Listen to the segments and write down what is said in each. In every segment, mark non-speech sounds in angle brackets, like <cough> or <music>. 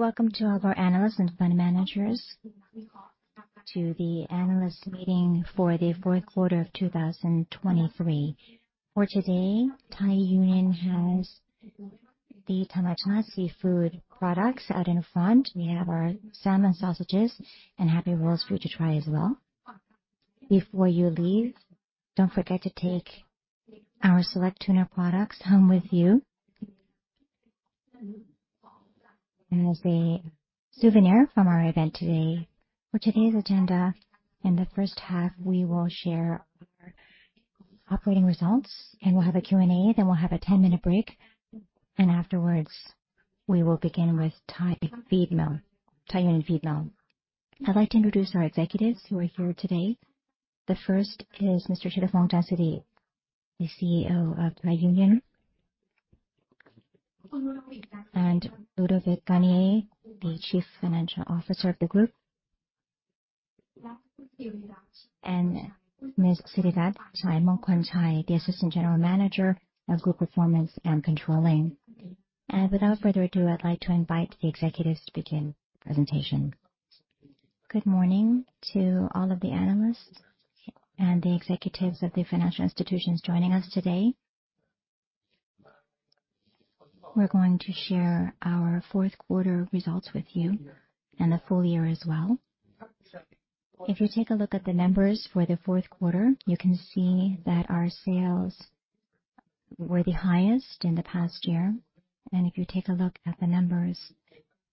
Welcome to all of our analysts and fund managers to the analyst meeting for the fourth quarter of 2023. For today, Thai Union has the Thammachart Seafood products out in front. We have our salmon sausages and Happy Rolls for you to try as well. Before you leave, don't forget to take our SEALECT tuna products home with you as a souvenir from our event today. For today's agenda, in the first half, we will share our operating results, and we'll have a Q&A. Then we'll have a 10-minute break, and afterwards we will begin with Thai Union Feedmill. I'd like to introduce our executives who are here today. The first is Mr. Thiraphong Chansiri, the CEO of Thai Union, and Ludovic Garnier, the Chief Financial Officer of the group, and Ms. Sirirat Chaimongkolchai, the Assistant General Manager of Group Performance and Controlling. Without further ado, I'd like to invite the executives to begin the presentation. Good morning to all of the analysts and the executives of the financial institutions joining us today. We're going to share our fourth quarter results with you and the full year as well. If you take a look at the numbers for the fourth quarter, you can see that our sales were the highest in the past year. If you take a look at the numbers,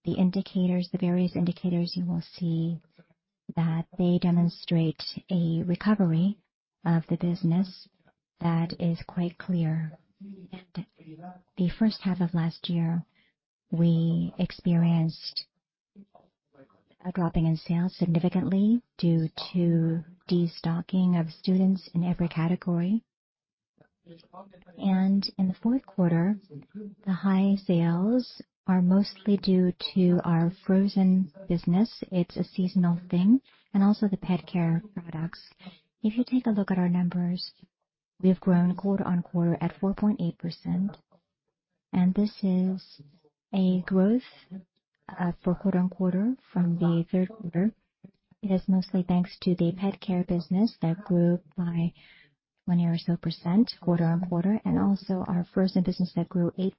the indicators, the various indicators, you will see that they demonstrate a recovery of the business that is quite clear. The first half of last year, we experienced a dropping in sales significantly due to destocking of students in every category. In the fourth quarter, the high sales are mostly due to our frozen business. It's a seasonal thing, and also the PetCare products. If you take a look at our numbers, we've grown quarter-on-quarter at 4.8%, and this is a growth for quarter-on-quarter from the third quarter. It is mostly thanks to the PetCare business that grew by 20% or so quarter-on-quarter, and also our frozen business that grew 8%.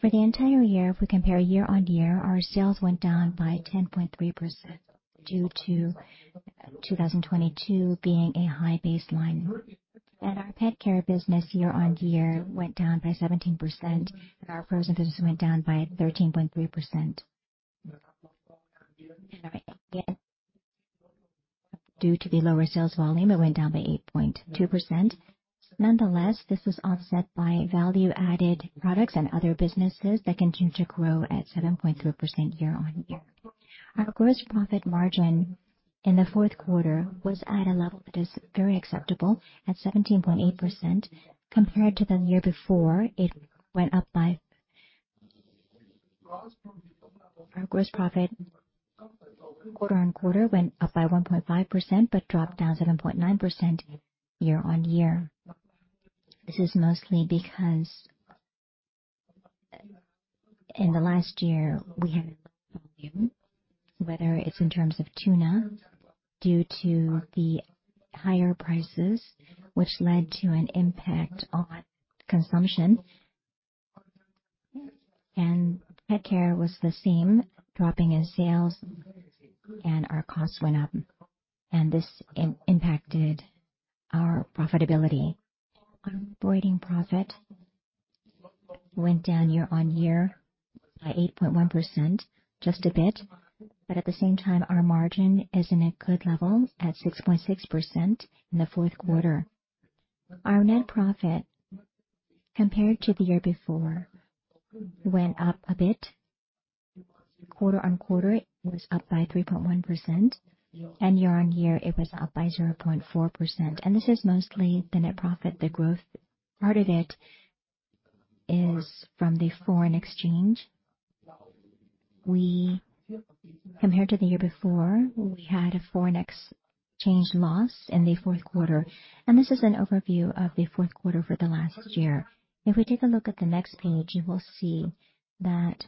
For the entire year, if we compare year-on-year, our sales went down by 10.3% due to 2022 being a high baseline. Our PetCare business year-on-year went down by 17%, and our frozen business went down by 13.3%. Due to the lower sales volume, it went down by 8.2%. Nonetheless, this was offset by value-added products and other businesses that continue to grow at 7.3% year-on-year. Our gross profit margin in the fourth quarter was at a level that is very acceptable at 17.8%. Compared to the year before, it went up by. Our gross profit quarter-on-quarter went up by 1.5% but dropped down 7.9% year-on-year. This is mostly because in the last year, we had a low volume, whether it's in terms of tuna, due to the higher prices, which led to an impact on consumption. PetCare was the same, dropping in sales, and our costs went up, and this impacted our profitability. Our operating profit went down year-on-year by 8.1%, just a bit, but at the same time, our margin is in a good level at 6.6% in the fourth quarter. Our net profit, compared to the year before, went up a bit. Quarter-on-quarter, it was up by 3.1%, and year-on-year, it was up by 0.4%. This is mostly the net profit. The growth part of it is from the foreign exchange. Compared to the year before, we had a foreign exchange loss in the fourth quarter, and this is an overview of the fourth quarter for the last year. If we take a look at the next page, you will see that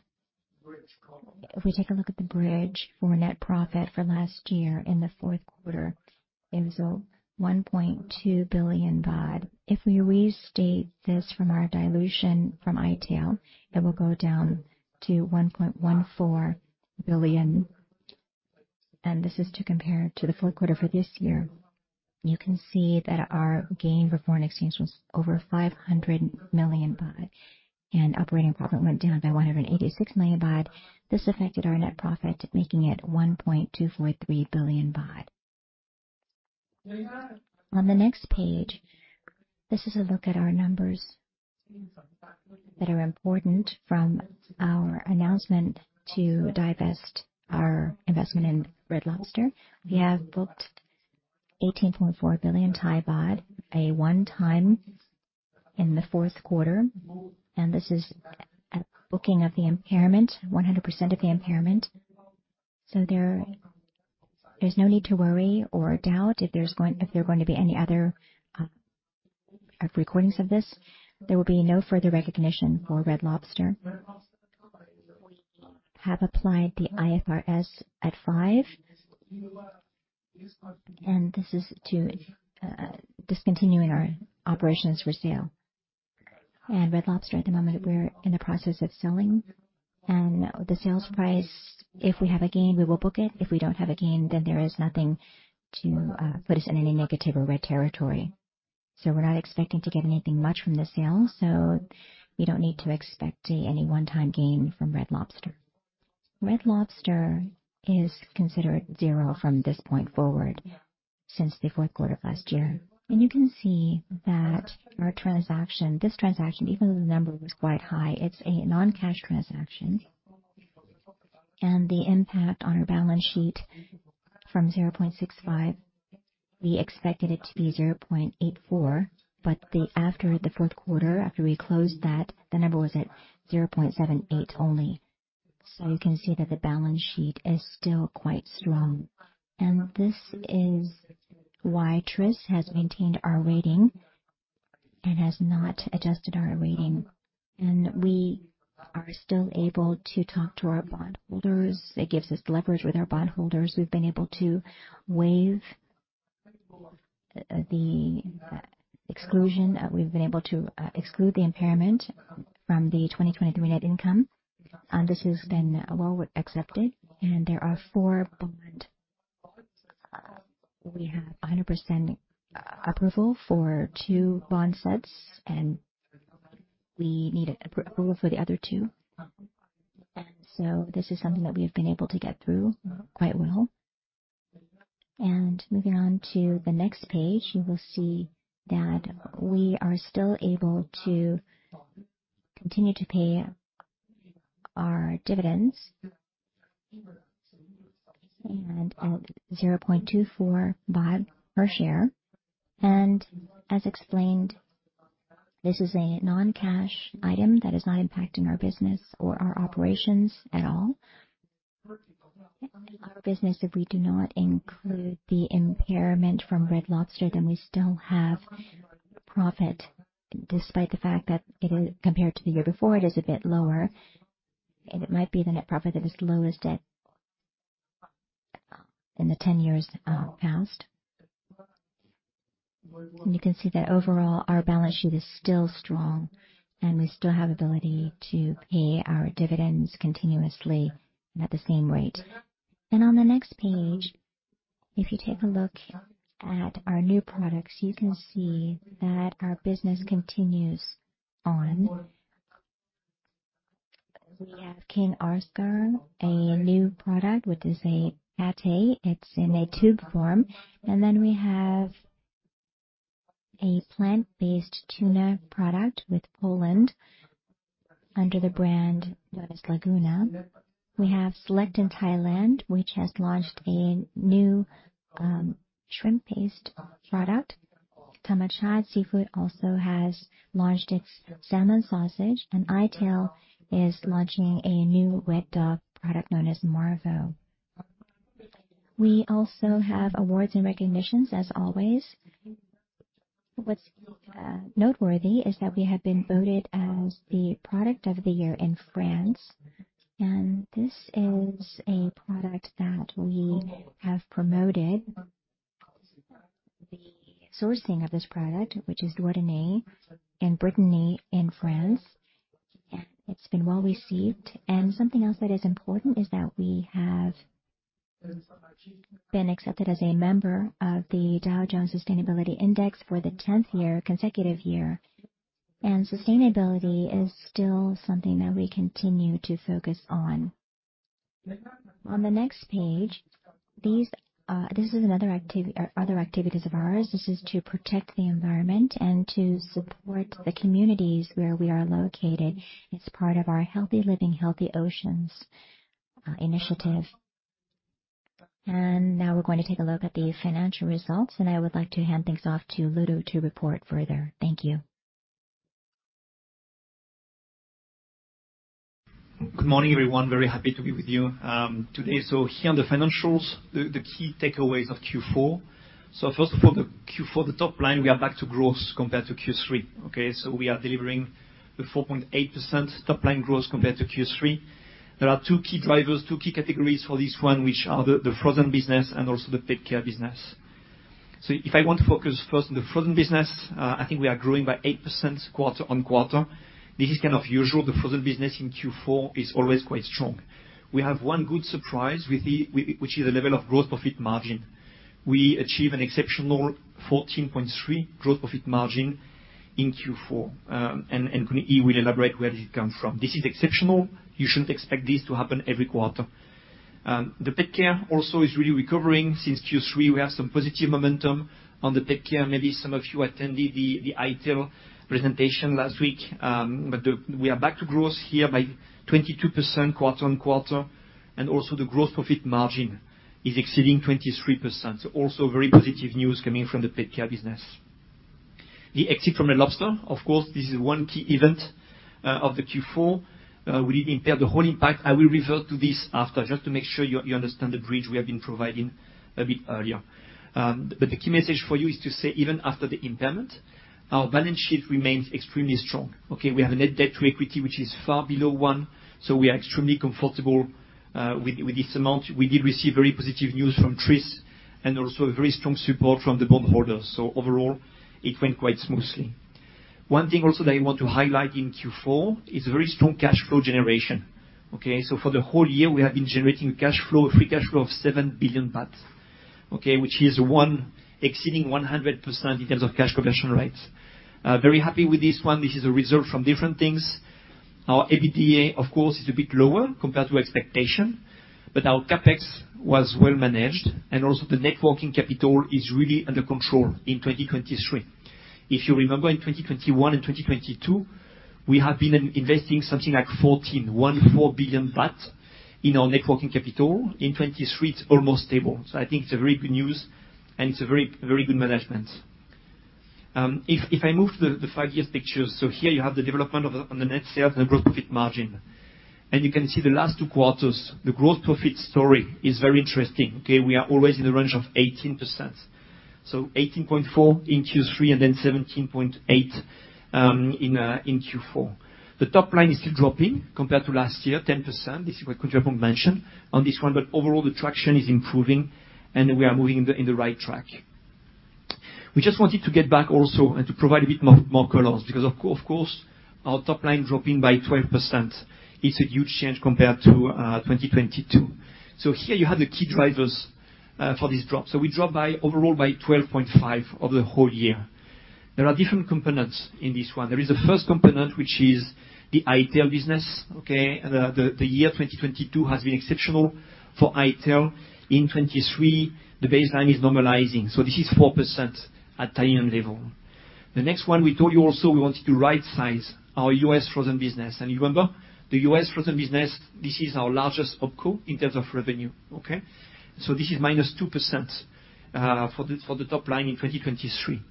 if we take a look at the bridge for net profit for last year in the fourth quarter, it was 1.2 billion baht. If we restate this from our dilution from i-Tail, it will go down to 1.14 billion. And this is to compare to the fourth quarter for this year. You can see that our gain for foreign exchange was over 500 million baht, and operating profit went down by 186 million baht. This affected our net profit, making it 1.243 billion baht. On the next page, this is a look at our numbers that are important from our announcement to divest our investment in Red Lobster. We have booked 18.4 billion baht, a one-time in the fourth quarter, and this is a booking of the impairment, 100% of the impairment. So there's no need to worry or doubt if there's going if there are going to be any other recordings of this. There will be no further recognition for Red Lobster. We have applied the IFRS 5, and this is to discontinuing our operations for sale. And Red Lobster, at the moment, we're in the process of selling, and the sales price, if we have a gain, we will book it. If we don't have a gain, then there is nothing to put us in any negative or red territory. So we're not expecting to get anything much from the sale, so we don't need to expect any one-time gain from Red Lobster. Red Lobster is considered zero from this point forward since the fourth quarter of last year. You can see that our transaction, this transaction, even though the number was quite high, it's a non-cash transaction. The impact on our balance sheet from 0.65, we expected it to be 0.84, but after the fourth quarter, after we closed that, the number was at 0.78 only. You can see that the balance sheet is still quite strong. This is why TRIS has maintained our rating and has not adjusted our rating. We are still able to talk to our bondholders. It gives us leverage with our bondholders. We've been able to waive the exclusion. We've been able to exclude the impairment from the 2023 net income, and this has been well accepted. There are four bonds we have 100% approval for two bond sets, and we need approval for the other two. So this is something that we have been able to get through quite well. Moving on to the next page, you will see that we are still able to continue to pay our dividends at 0.24 baht per share. As explained, this is a non-cash item that is not impacting our business or our operations at all. Our business, if we do not include the impairment from Red Lobster, then we still have profit despite the fact that it is compared to the year before, it is a bit lower. It might be the net profit that is lowest in the 10 years past. You can see that overall, our balance sheet is still strong, and we still have ability to pay our dividends continuously and at the same rate. On the next page, if you take a look at our new products, you can see that our business continues on. We have King Oscar, a new product, which is a pâté. It's in a tube form. And then we have a plant-based tuna product in Poland under the brand known as Laguna. We have SEALECT in Thailand, which has launched a new shrimp paste product. Thammachart Seafood also has launched its salmon sausage, and i-Tail is launching a new wet dog product known as Marvo. We also have awards and recognitions, as always. What's noteworthy is that we have been voted as the product of the year in France, and this is a product that we have promoted. The sourcing of this product, which is Douaniné and Brittiné in France, and it's been well received. Something else that is important is that we have been accepted as a member of the Dow Jones Sustainability Index for the 10th consecutive year, and sustainability is still something that we continue to focus on. On the next page, this is another activity of ours. This is to protect the environment and to support the communities where we are located as part of our Healthy Living, Healthy Oceans initiative. Now we're going to take a look at the financial results, and I would like to hand things off to Ludovic to report further. Thank you. Good morning, everyone. Very happy to be with you today. So here on the financials, the key takeaways of Q4. So first of all, the top line, we are back to growth compared to Q3, okay? So we are delivering the 4.8% top line growth compared to Q3. There are two key drivers, two key categories for this one, which are the frozen business and also the PetCare business. So if I want to focus first on the frozen business, I think we are growing by 8% quarter-on-quarter. This is kind of usual. The frozen business in Q4 is always quite strong. We have one good surprise, which is the level of gross profit margin. We achieved an exceptional 14.3% gross profit margin in Q4, and in Q3 will elaborate where this comes from. This is exceptional. You shouldn't expect this to happen every quarter. The PetCare also is really recovering since Q3. We have some positive momentum on the PetCare. Maybe some of you attended the i-Tail presentation last week, but we are back to growth here by 22% quarter-on-quarter, and also the gross profit margin is exceeding 23%. So also very positive news coming from the PetCare business. The exit from Red Lobster, of course, this is one key event of the Q4. We did impair the whole impact. I will revert to this after, just to make sure you understand the bridge we have been providing a bit earlier. But the key message for you is to say, even after the impairment, our balance sheet remains extremely strong, okay? We have a net debt to equity, which is far below one, so we are extremely comfortable with this amount. We did receive very positive news from TRIS and also very strong support from the bondholders. Overall, it went quite smoothly. One thing also that I want to highlight in Q4 is very strong cash flow generation, okay? So for the whole year, we have been generating a cash flow, a free cash flow of 7 billion baht, okay? Which is exceeding 100% in terms of cash conversion rates. Very happy with this one. This is a result from different things. Our EBITDA, of course, is a bit lower compared to expectation, but our CapEx was well managed, and also the net working capital is really under control in 2023. If you remember, in 2021 and 2022, we have been investing something like 14, BHT 14 billion in our net working capital. In 2023, it's almost stable. So I think it's very good news, and it's a very, very good management. If I move to the five-year pictures, so here you have the development on the net sales and the gross profit margin, and you can see the last two quarters, the gross profit story is very interesting, okay? We are always in the range of 18%. So 18.4% in Q3 and then 17.8% in Q4. The top line is still dropping compared to last year, 10%. This is what Thiraphong mentioned on this one, but overall, the traction is improving, and we are moving in the right track. We just wanted to get back also and to provide a bit more colors because, of course, our top line dropping by 12%, it's a huge change compared to 2022. So here you have the key drivers for this drop. So we drop overall by 12.5% of the whole year. There are different components in this one. There is the first component, which is the i-Tail business, okay? The year 2022 has been exceptional for i-Tail. In 2023, the baseline is normalizing. This is 4% at Thai Union level. The next one, we told you also we wanted to right-size our U.S. frozen business. You remember, the U.S. frozen business, this is our largest OpCo in terms of revenue, okay? This is -2% for the top line in 2023.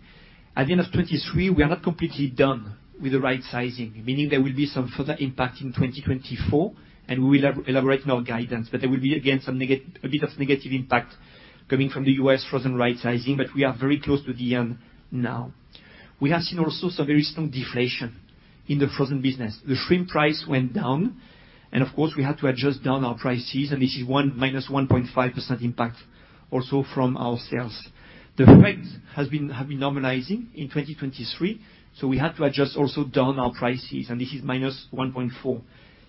At the end of 2023, we are not completely done with the right-sizing, meaning there will be some further impact in 2024, and we will elaborate on our guidance. There will be, again, a bit of negative impact coming from the U.S. frozen right-sizing, but we are very close to the end now. We have seen also some very strong deflation in the frozen business. The shrimp price went down, and of course, we had to adjust down our prices, and this is -1.5% impact also from our sales. The Fed has been normalizing in 2023, so we had to adjust also down our prices, and this is -1.4%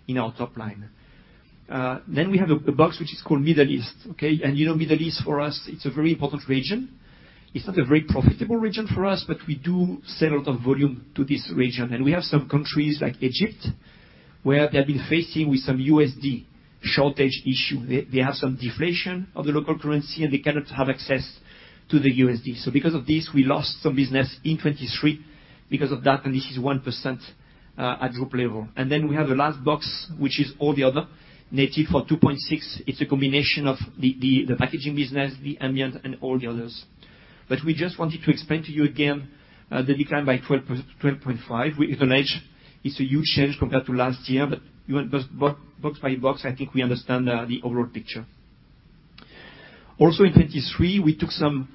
in our top line. Then we have a box which is called Middle East, okay? And Middle East, for us, it's a very important region. It's not a very profitable region for us, but we do sell a lot of volume to this region. And we have some countries like Egypt where they have been facing with some USD shortage issue. They have some deflation of the local currency, and they cannot have access to the USD. So because of this, we lost some business in 2023 because of that, and this is 1% at group level. Then we have the last box, which is all the other net for 2.6%. It's a combination of the packaging business, the ambient, and all the others. But we just wanted to explain to you again the decline by 12.5%. We acknowledge it's a huge change compared to last year, but box by box, I think we understand the overall picture. Also, in 2023, we took some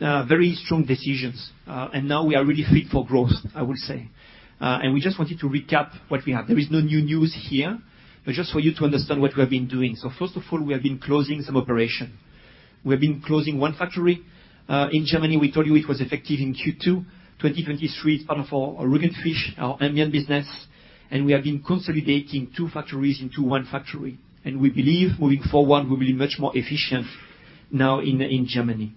very strong decisions, and now we are really fit for growth, I would say. And we just wanted to recap what we have. There is no new news here, but just for you to understand what we have been doing. So first of all, we have been closing some operation. We have been closing one factory. In Germany, we told you it was effective in Q2. 2023 is part of our Rügen Fisch, our ambient business, and we have been consolidating two factories into one factory. We believe, moving forward, we'll be much more efficient now in Germany.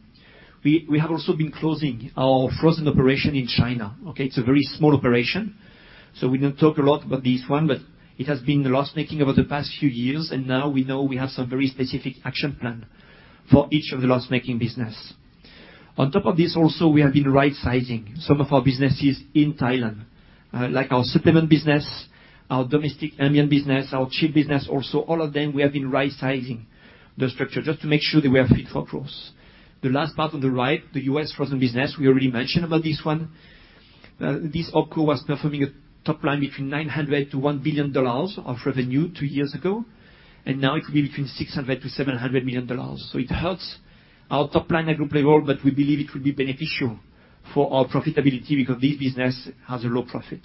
We have also been closing our frozen operation in China, okay? It's a very small operation. We don't talk a lot about this one, but it has been the loss-making over the past few years, and now we know we have some very specific action plan for each of the loss-making businesses. On top of this, also, we have been right-sizing some of our businesses in Thailand, like our supplement business, our domestic ambient business, our shrimp business also. All of them, we have been right-sizing the structure just to make sure that we are fit for growth. The last part on the right, the U.S. frozen business, we already mentioned about this one. This OpCo was performing a top line between $900 million-$1 billion of revenue two years ago, and now it will be between $600 million-$700 million. So it hurts our top line at group level, but we believe it will be beneficial for our profitability because this business has a low profit.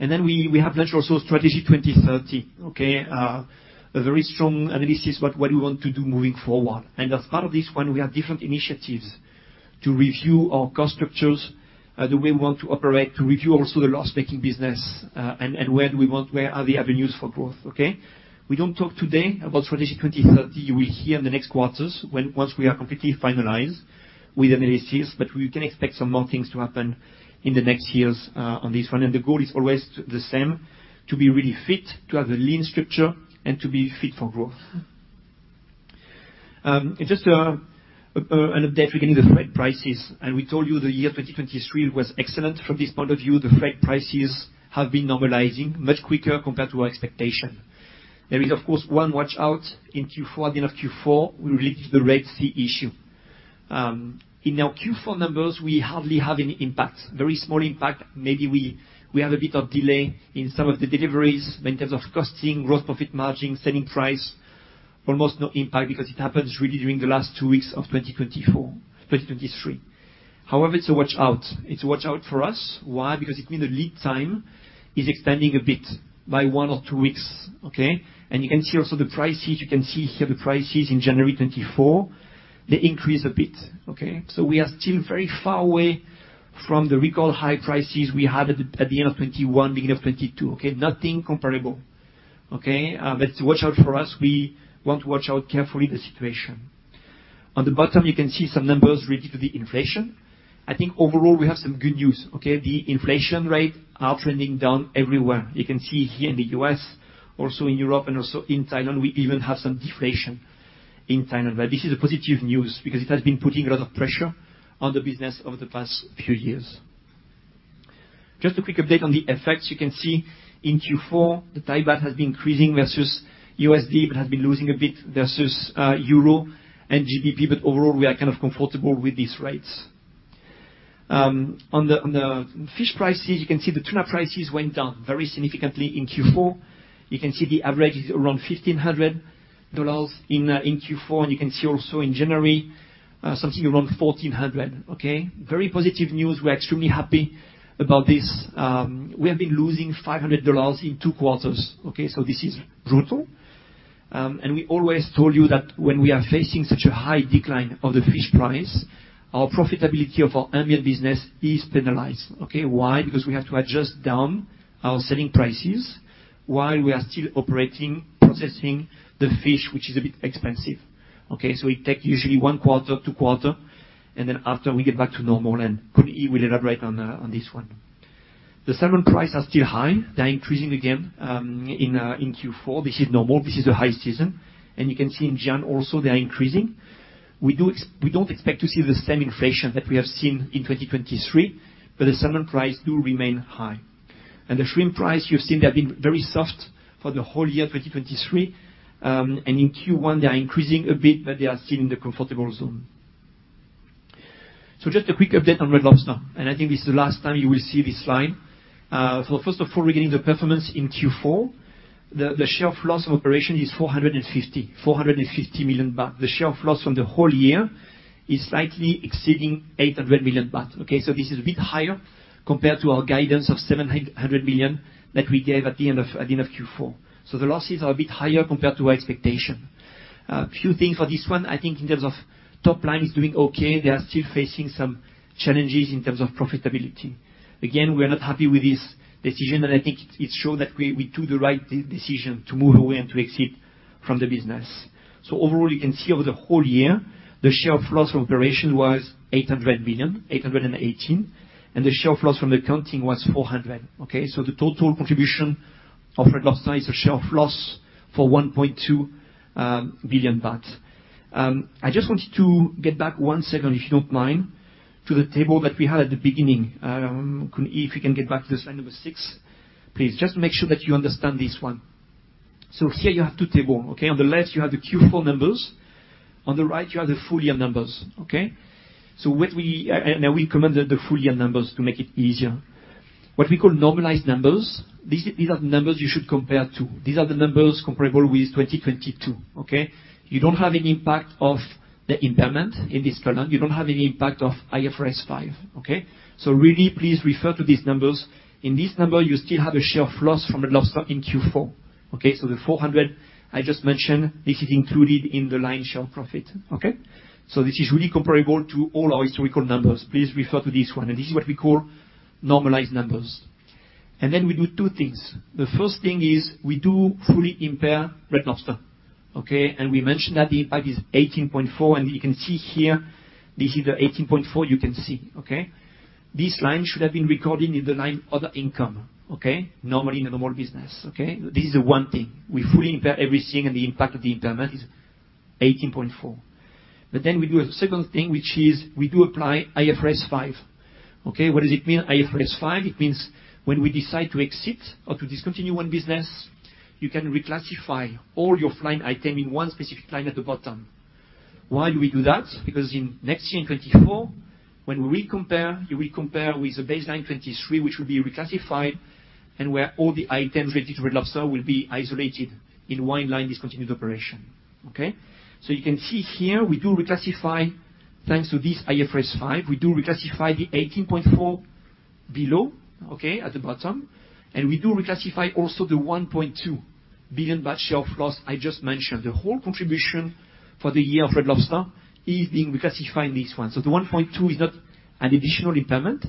And then we have launched also Strategy 2030, okay? A very strong analysis of what we want to do moving forward. And as part of this one, we have different initiatives to review our cost structures, the way we want to operate, to review also the loss-making business, and where do we want where are the avenues for growth, okay? We don't talk today about Strategy 2030. You will hear in the next quarters once we are completely finalized with analysis, but we can expect some more things to happen in the next years on this one. And the goal is always the same, to be really fit, to have a lean structure, and to be fit for growth. Just an update, regarding the freight prices. And we told you the year 2023 was excellent from this point of view. The freight prices have been normalizing much quicker compared to our expectation. There is, of course, one watch out in Q4. At the end of Q4, we will lead to the Red Sea issue. In our Q4 numbers, we hardly have any impact, very small impact. Maybe we have a bit of delay in some of the deliveries in terms of costing, Gross Profit Margin, selling price. Almost no impact because it happens really during the last 2 weeks of 2023. However, it's a watch out. It's a watch out for us. Why? Because it means the lead time is extending a bit by one or two weeks, okay? You can see also the prices. You can see here the prices in January 2024, they increase a bit, okay? We are still very far away from the record high prices we had at the end of 2021, beginning of 2022, okay? Nothing comparable, okay? Watch out for us. We want to watch out carefully for the situation. On the bottom, you can see some numbers related to the inflation. I think overall, we have some good news, okay? The inflation rates are trending down everywhere. You can see here in the U.S., also in Europe, and also in Thailand, we even have some deflation in Thailand. But this is positive news because it has been putting a lot of pressure on the business over the past few years. Just a quick update on the effects. You can see in Q4, the Thai baht has been increasing versus USD, but has been losing a bit versus euro and GBP, but overall, we are kind of comfortable with these rates. On the fish prices, you can see the tuna prices went down very significantly in Q4. You can see the average is around $1,500 in Q4, and you can see also in January, something around $1,400, okay? Very positive news. We are extremely happy about this. We have been losing $500 in two quarters, okay? So this is brutal. We always told you that when we are facing such a high decline of the fish price, our profitability of our ambient business is penalized, okay? Why? Because we have to adjust down our selling prices while we are still operating, processing the fish, which is a bit expensive, okay? So it takes usually one quarter, two quarters, and then after, we get back to normal, and Khun will elaborate on this one. The salmon prices are still high. They are increasing again in Q4. This is normal. This is the high season. You can see in June also, they are increasing. We don't expect to see the same inflation that we have seen in 2023, but the salmon prices do remain high. The shrimp prices, you've seen they have been very soft for the whole year 2023, and in Q1, they are increasing a bit, but they are still in the comfortable zone. So just a quick update on Red Lobster now, and I think this is the last time you will see this slide. So first of all, regarding the performance in Q4, the share of loss from operations is 450 million baht. The share of loss from the whole year is slightly exceeding 800 million baht, okay? So this is a bit higher compared to our guidance of 700 million that we gave at the end of Q4. So the losses are a bit higher compared to our expectation. A few things for this one. I think in terms of top line, it's doing okay. They are still facing some challenges in terms of profitability. Again, we are not happy with this decision, and I think it shows that we took the right decision to move away and to exit from the business. So overall, you can see over the whole year, the share of loss from operations was 800.818 million, and the share of loss from accounting was 400 million, okay? So the total contribution of Red Lobster is a share of loss for 1.2 billion baht. I just wanted to get back one second, if you don't mind, to the table that we had at the beginning. Khun, if you can get back to the slide number six, please. Just to make sure that you understand this one. So here you have two tables, okay? On the left, you have the Q4 numbers. On the right, you have the full year numbers, okay? So now we come to the full year numbers to make it easier. What we call normalized numbers, these are the numbers you should compare to. These are the numbers comparable with 2022, okay? You don't have any impact of the impairment in this column. You don't have any impact of IFRS 5, okay? So really, please refer to these numbers. In these numbers, you still have a share of loss from Red Lobster in Q4, okay? So the $400 I just mentioned, this is included in the line share of profit, okay? So this is really comparable to all our historical numbers. Please refer to this one. And this is what we call normalized numbers. And then we do two things. The first thing is we do fully impair Red Lobster, okay? We mentioned that the impact is 18.4%, and you can see here, this is the 18.4% you can see, okay? This line should have been recorded in the line other income, okay? Normally, in a normal business, okay? This is the one thing. We fully impair everything, and the impact of the impairment is 18.4%. But then we do a second thing, which is we do apply IFRS 5, okay? What does it mean, IFRS 5? It means when we decide to exit or to discontinue one business, you can reclassify all your financial items in one specific line at the bottom. Why do we do that? Because next year, in 2024, when we recompare, you recompare with the baseline 2023, which will be reclassified, and where all the items related to Red Lobster will be isolated in one line discontinued operation, okay? So you can see here, we do reclassify thanks to this IFRS 5. We do reclassify the 18.4% below, okay, at the bottom, and we do reclassify also the 1.2 billion share of loss I just mentioned. The whole contribution for the year of Red Lobster is being reclassified in this one. So the 1.2% is not an additional impairment.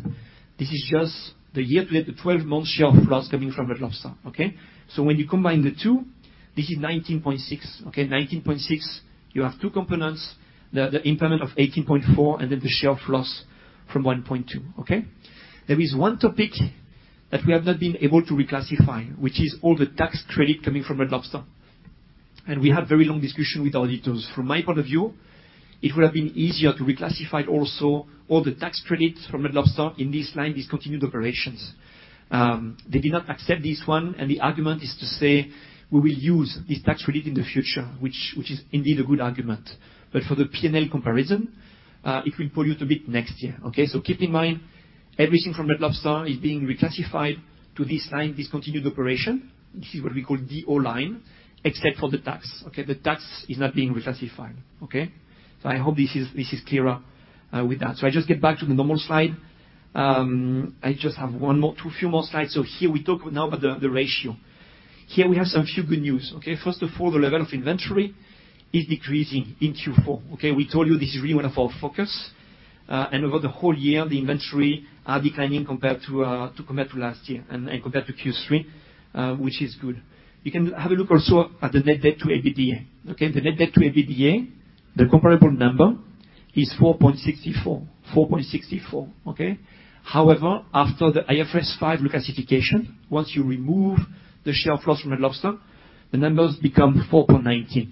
This is just the year-to-date, the 12-month share of loss coming from Red Lobster, okay? So when you combine the two, this is 19.6%, okay? 19.6%. You have two components, the impairment of 18.4% and then the share of loss from 1.2%, okay? There is one topic that we have not been able to reclassify, which is all the tax credit coming from Red Lobster. And we had very long discussions with auditors. From my point of view, it would have been easier to reclassify also all the tax credits from Red Lobster in this line, discontinued operations. They did not accept this one, and the argument is to say we will use this tax credit in the future, which is indeed a good argument. But for the P&L comparison, it will pull you to bid next year, okay? So keep in mind, everything from Red Lobster is being reclassified to this line, discontinued operation. This is what we call DO line, except for the tax, okay? The tax is not being reclassified, okay? So I hope this is clearer with that. So I just get back to the normal slide. I just have one more two few more slides. So here we talk now about the ratio. Here we have some few good news, okay? First of all, the level of inventory is decreasing in Q4, okay? We told you this is really one of our focus. Over the whole year, the inventory is declining compared to last year and compared to Q3, which is good. You can have a look also at the net debt to EBITDA, okay? The net debt to EBITDA, the comparable number, is 4.64%, 4.64%, okay? However, after the IFRS 5 reclassification, once you remove the share of loss from Red Lobster, the numbers become 4.19%,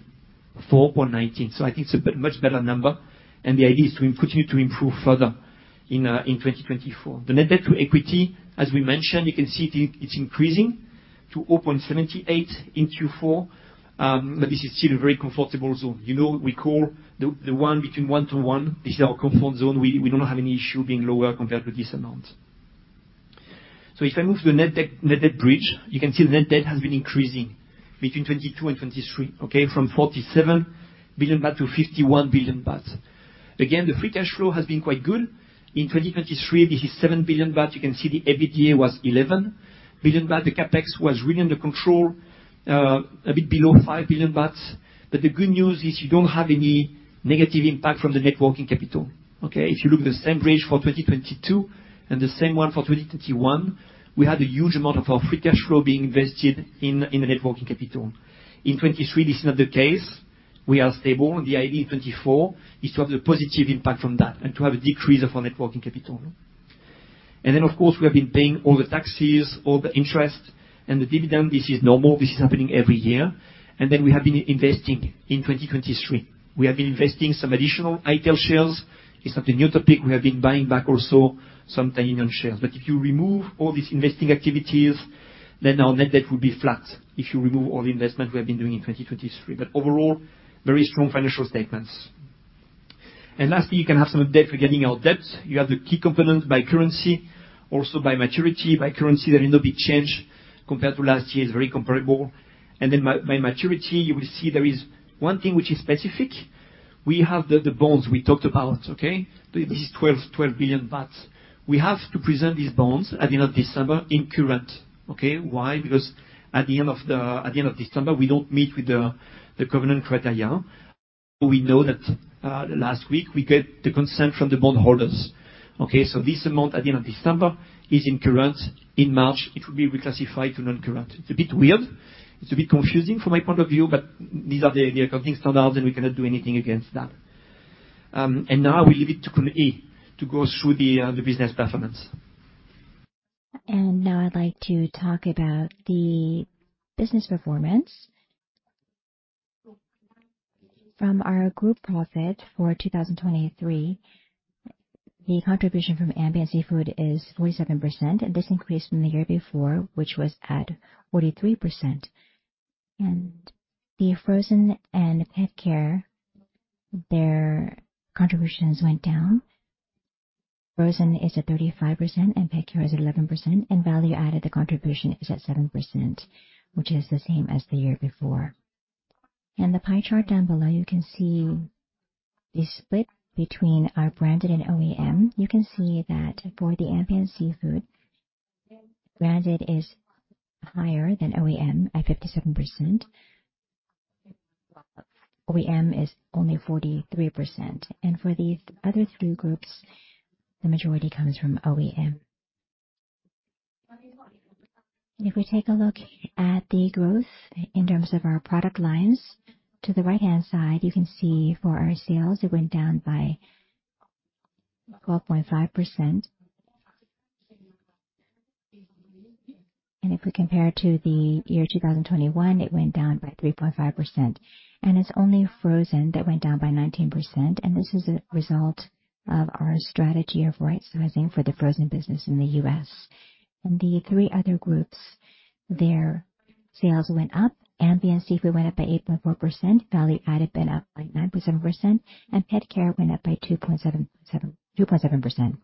4.19%. So I think it's a much better number, and the idea is to continue to improve further in 2024. The net debt to equity, as we mentioned, you can see it's increasing to 0.78% in Q4, but this is still a very comfortable zone. You know we call the one between one to one. This is our comfort zone. We don't have any issue being lower compared to this amount. So if I move to the net debt bridge, you can see the net debt has been increasing between 2022 and 2023, okay? From 47 billion baht to 51 billion baht. Again, the free cash flow has been quite good. In 2023, this is 7 billion baht. You can see the EBITDA was 11 billion baht. The CAPEX was really under control, a bit below 5 billion baht. But the good news is you don't have any negative impact from the net working capital, okay? If you look at the same bridge for 2022 and the same one for 2021, we had a huge amount of our free cash flow being invested in the net working capital. In 2023, this is not the case. We are stable. The idea in 2024 is to have the positive impact from that and to have a decrease of our net working capital. Then, of course, we have been paying all the taxes, all the interest, and the dividend. This is normal. This is happening every year. Then we have been investing in 2023. We have been investing some additional i-Tail shares. It's not a new topic. We have been buying back also some Thai Union shares. But if you remove all these investing activities, then our net debt will be flat if you remove all the investment we have been doing in 2023. But overall, very strong financial statements. And lastly, you can have some updates regarding our debt. You have the key components by currency, also by maturity. By currency, there is no big change compared to last year. It's very comparable. Then by maturity, you will see there is one thing which is specific. We have the bonds we talked about, okay? This is 12 billion baht. We have to present these bonds at the end of December in current, okay? Why? Because at the end of December, we don't meet with the covenant criteria. We know that last week, we get the consent from the bondholders, okay? So this amount at the end of December is in current. In March, it will be reclassified to non-current. It's a bit weird. It's a bit confusing from my point of view, but these are the accounting standards, and we cannot do anything against that. Now I will leave it to Khun to go through the business performance. Now I'd like to talk about the business performance. From our group profit for 2023, the contribution from Ambient Seafood is 47%, and this increased from the year before, which was at 43%. The Frozen and PetCare, their contributions went down. Frozen is at 35%, and PetCare is at 11%. Value-added contribution is at 7%, which is the same as the year before. The pie chart down below, you can see the split between our branded and OEM. You can see that for the Ambient Seafood, branded is higher than OEM at 57%. OEM is only 43%. For the other three groups, the majority comes from OEM. If we take a look at the growth in terms of our product lines, to the right-hand side, you can see for our sales, it went down by 12.5%. If we compare it to the year 2021, it went down by 3.5%. It's only Frozen that went down by 19%, and this is a result of our strategy of right-sizing for the frozen business in the U.S. The three other groups, their sales went up. Ambient Seafood went up by 8.4%. Value-added went up by 9.7%. PetCare went up by 2.7%.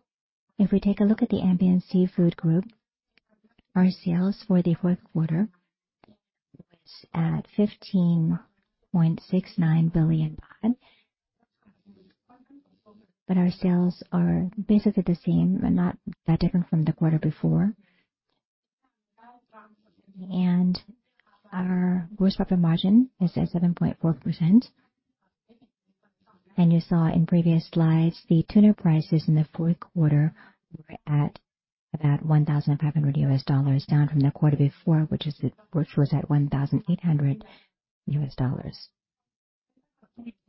If we take a look at the Ambient Seafood group, our sales for the fourth quarter was at THB 15.69 billion, but our sales are basically the same and not that different from the quarter before. Our gross profit margin is at 7.4%. You saw in previous slides, the tuna prices in the fourth quarter were at about $1,500, down from the quarter before, which was at $1,800.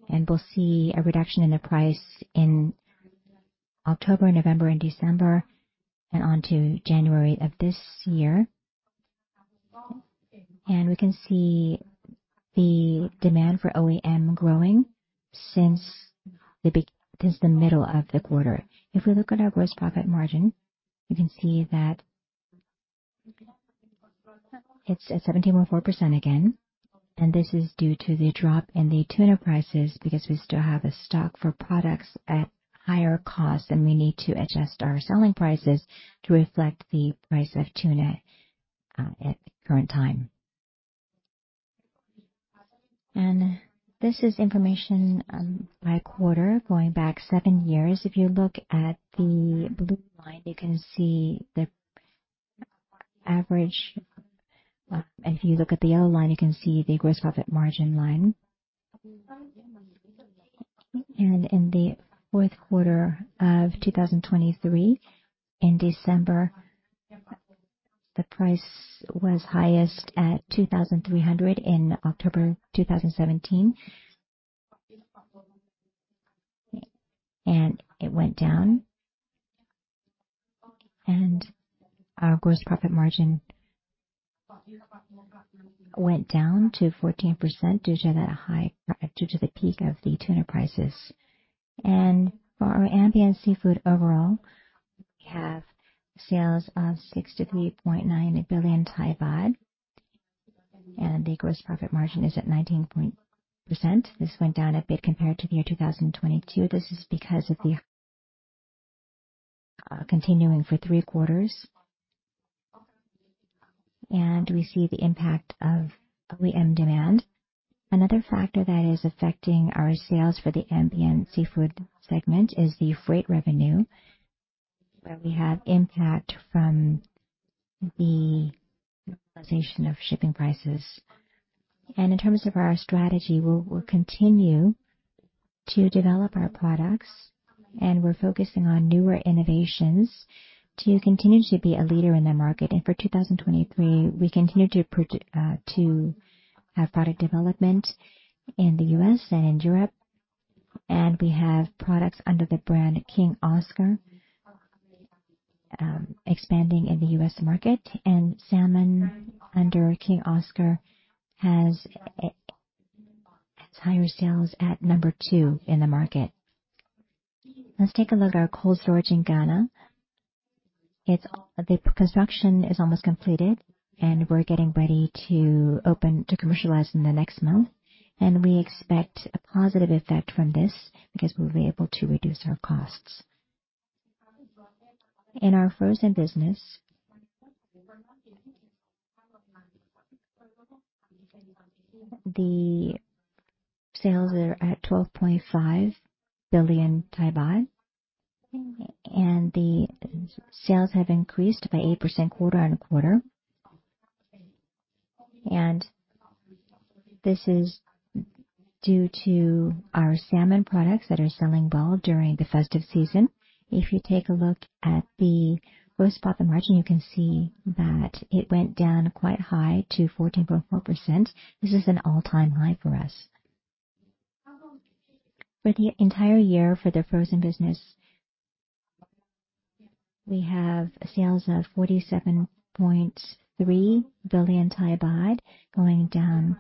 We'll see a reduction in the price in October, November, and December, and onto January of this year. We can see the demand for OEM growing since the middle of the quarter. If we look at our gross profit margin, you can see that it's at 17.4% again. This is due to the drop in the tuna prices because we still have a stock for products at higher cost, and we need to adjust our selling prices to reflect the price of tuna at the current time. This is information by quarter going back seven years. If you look at the blue line, you can see the average. If you look at the yellow line, you can see the gross profit margin line. In the fourth quarter of 2023, in December, the price was highest at 2,300 in October 2017, and it went down. Our gross profit margin went down to 14% due to the peak of the tuna prices. For our Ambient Seafood overall, we have sales of 63.9 billion baht, and the gross profit margin is at 19.0%. This went down a bit compared to the year 2022. This is because of the continuing for three quarters. And we see the impact of OEM demand. Another factor that is affecting our sales for the Ambient Seafood segment is the freight revenue, where we have impact from the normalization of shipping prices. And in terms of our strategy, we'll continue to develop our products, and we're focusing on newer innovations to continue to be a leader in the market. And for 2023, we continue to have product development in the U.S. and in Europe, and we have products under the brand King Oscar expanding in the U.S. market. And salmon under King Oscar has higher sales at number two in the market. Let's take a look at our cold storage in Ghana. The construction is almost completed, and we're getting ready to commercialize in the next month. We expect a positive effect from this because we'll be able to reduce our costs. In our frozen business, the sales are at 12.5 billion baht, and the sales have increased by 8% quarter-on-quarter. This is due to our salmon products that are selling well during the festive season. If you take a look at the gross profit margin, you can see that it went down quite high to 14.4%. This is an all-time high for us. For the entire year for the frozen business, we have sales of 47.3 billion baht going down.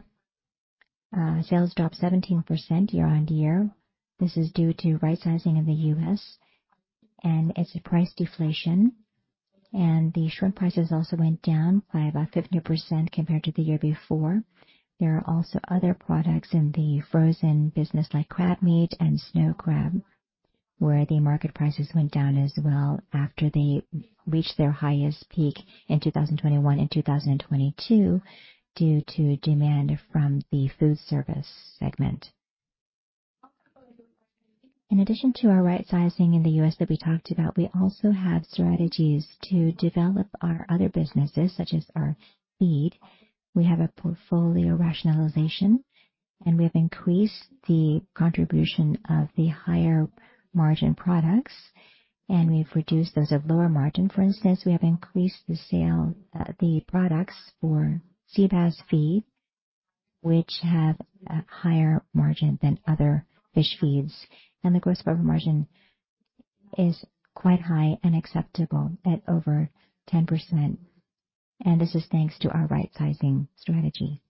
Sales dropped 17% year-on-year. This is due to right-sizing in the U.S., and it's a price deflation. The shrimp prices also went down by about 15% compared to the year before. There are also other products in the frozen business like crab meat and snow crab, where the market prices went down as well after they reached their highest peak in 2021 and 2022 due to demand from the food service segment. In addition to our right-sizing in the U.S. that we talked about, we also have strategies to develop our other businesses, such as our feed. We have a portfolio rationalization, and we have increased the contribution of the higher-margin products, and we've reduced those of lower margin. For instance, we have increased the sale of the products for sea bass feed, which have a higher margin than other fish feeds. And the gross profit margin is quite high and acceptable at over 10%. And this is thanks to our right-sizing strategy.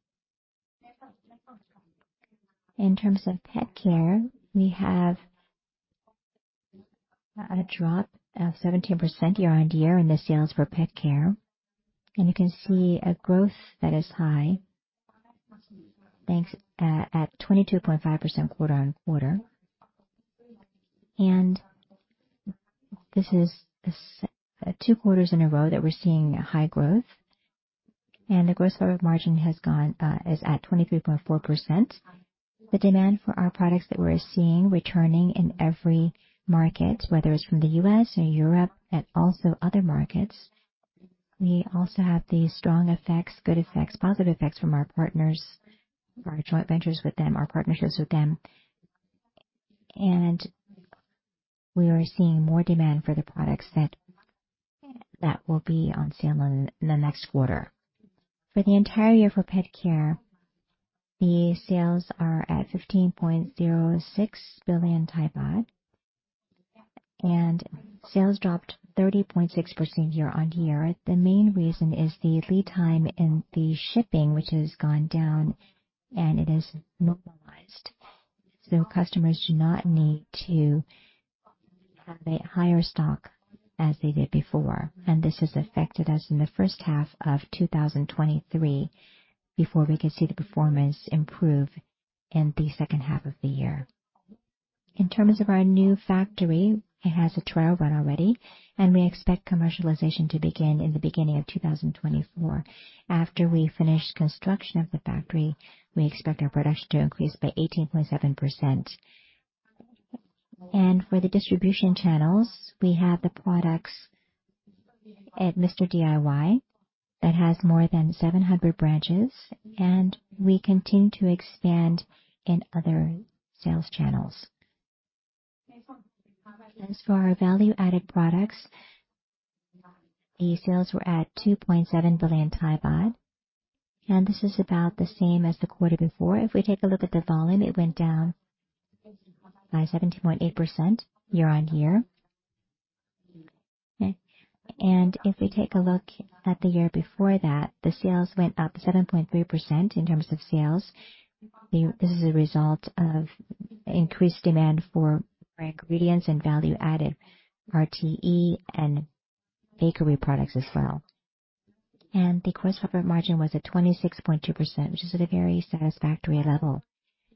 In terms of PetCare, we have a drop of 17% year-on-year in the sales for PetCare. You can see a growth that is high at 22.5% quarter-on-quarter. This is two quarters in a row that we're seeing high growth. The gross profit margin is at 23.4%. The demand for our products that we're seeing returning in every market, whether it's from the U.S. or Europe and also other markets. We also have the strong effects, good effects, positive effects from our partners, our joint ventures with them, our partnerships with them. We are seeing more demand for the products that will be on sale in the next quarter. For the entire year for PetCare, the sales are at 15.06 billion THB, and sales dropped 30.6% year-on-year. The main reason is the lead time in the shipping, which has gone down, and it is normalized. So customers do not need to have a higher stock as they did before. This has affected us in the first half of 2023 before we could see the performance improve in the second half of the year. In terms of our new factory, it has a trial run already, and we expect commercialization to begin in the beginning of 2024. After we finish construction of the factory, we expect our production to increase by 18.7%. For the distribution channels, we have the products at Mr. DIY that has more than 700 branches, and we continue to expand in other sales channels. As for our value-added products, the sales were at 2.7 billion baht, and this is about the same as the quarter before. If we take a look at the volume, it went down by 17.8% year-over-year. If we take a look at the year before that, the sales went up 7.3% in terms of sales. This is a result of increased demand for ingredients and value-added RTE and bakery products as well. The gross profit margin was at 26.2%, which is at a very satisfactory level.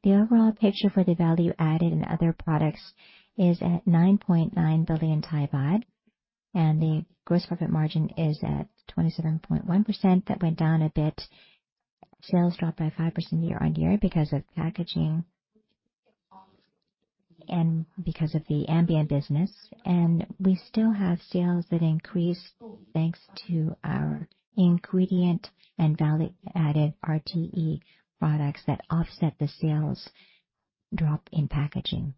The overall picture for the value-added and other products is at 9.9 billion baht, and the gross profit margin is at 27.1%. That went down a bit. Sales dropped by 5% year-over-year because of packaging and because of the Ambient business. We still have sales that increased thanks to our ingredient and value-added RTE products that offset the sales drop in packaging.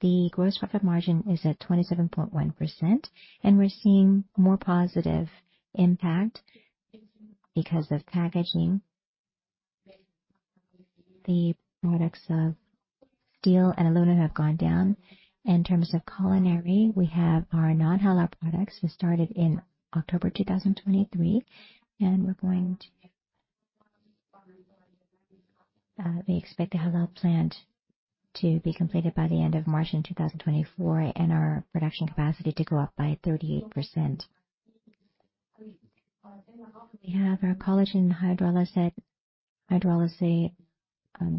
The gross profit margin is at 27.1%, and we're seeing more positive impact because of packaging. The products of steel and aluminum have gone down. In terms of culinary, we have our non-halo products. We started in October 2023, and we're going to expect the halo plant to be completed by the end of March in 2024 and our production capacity to go up by 38%. We have our collagen hydrolysis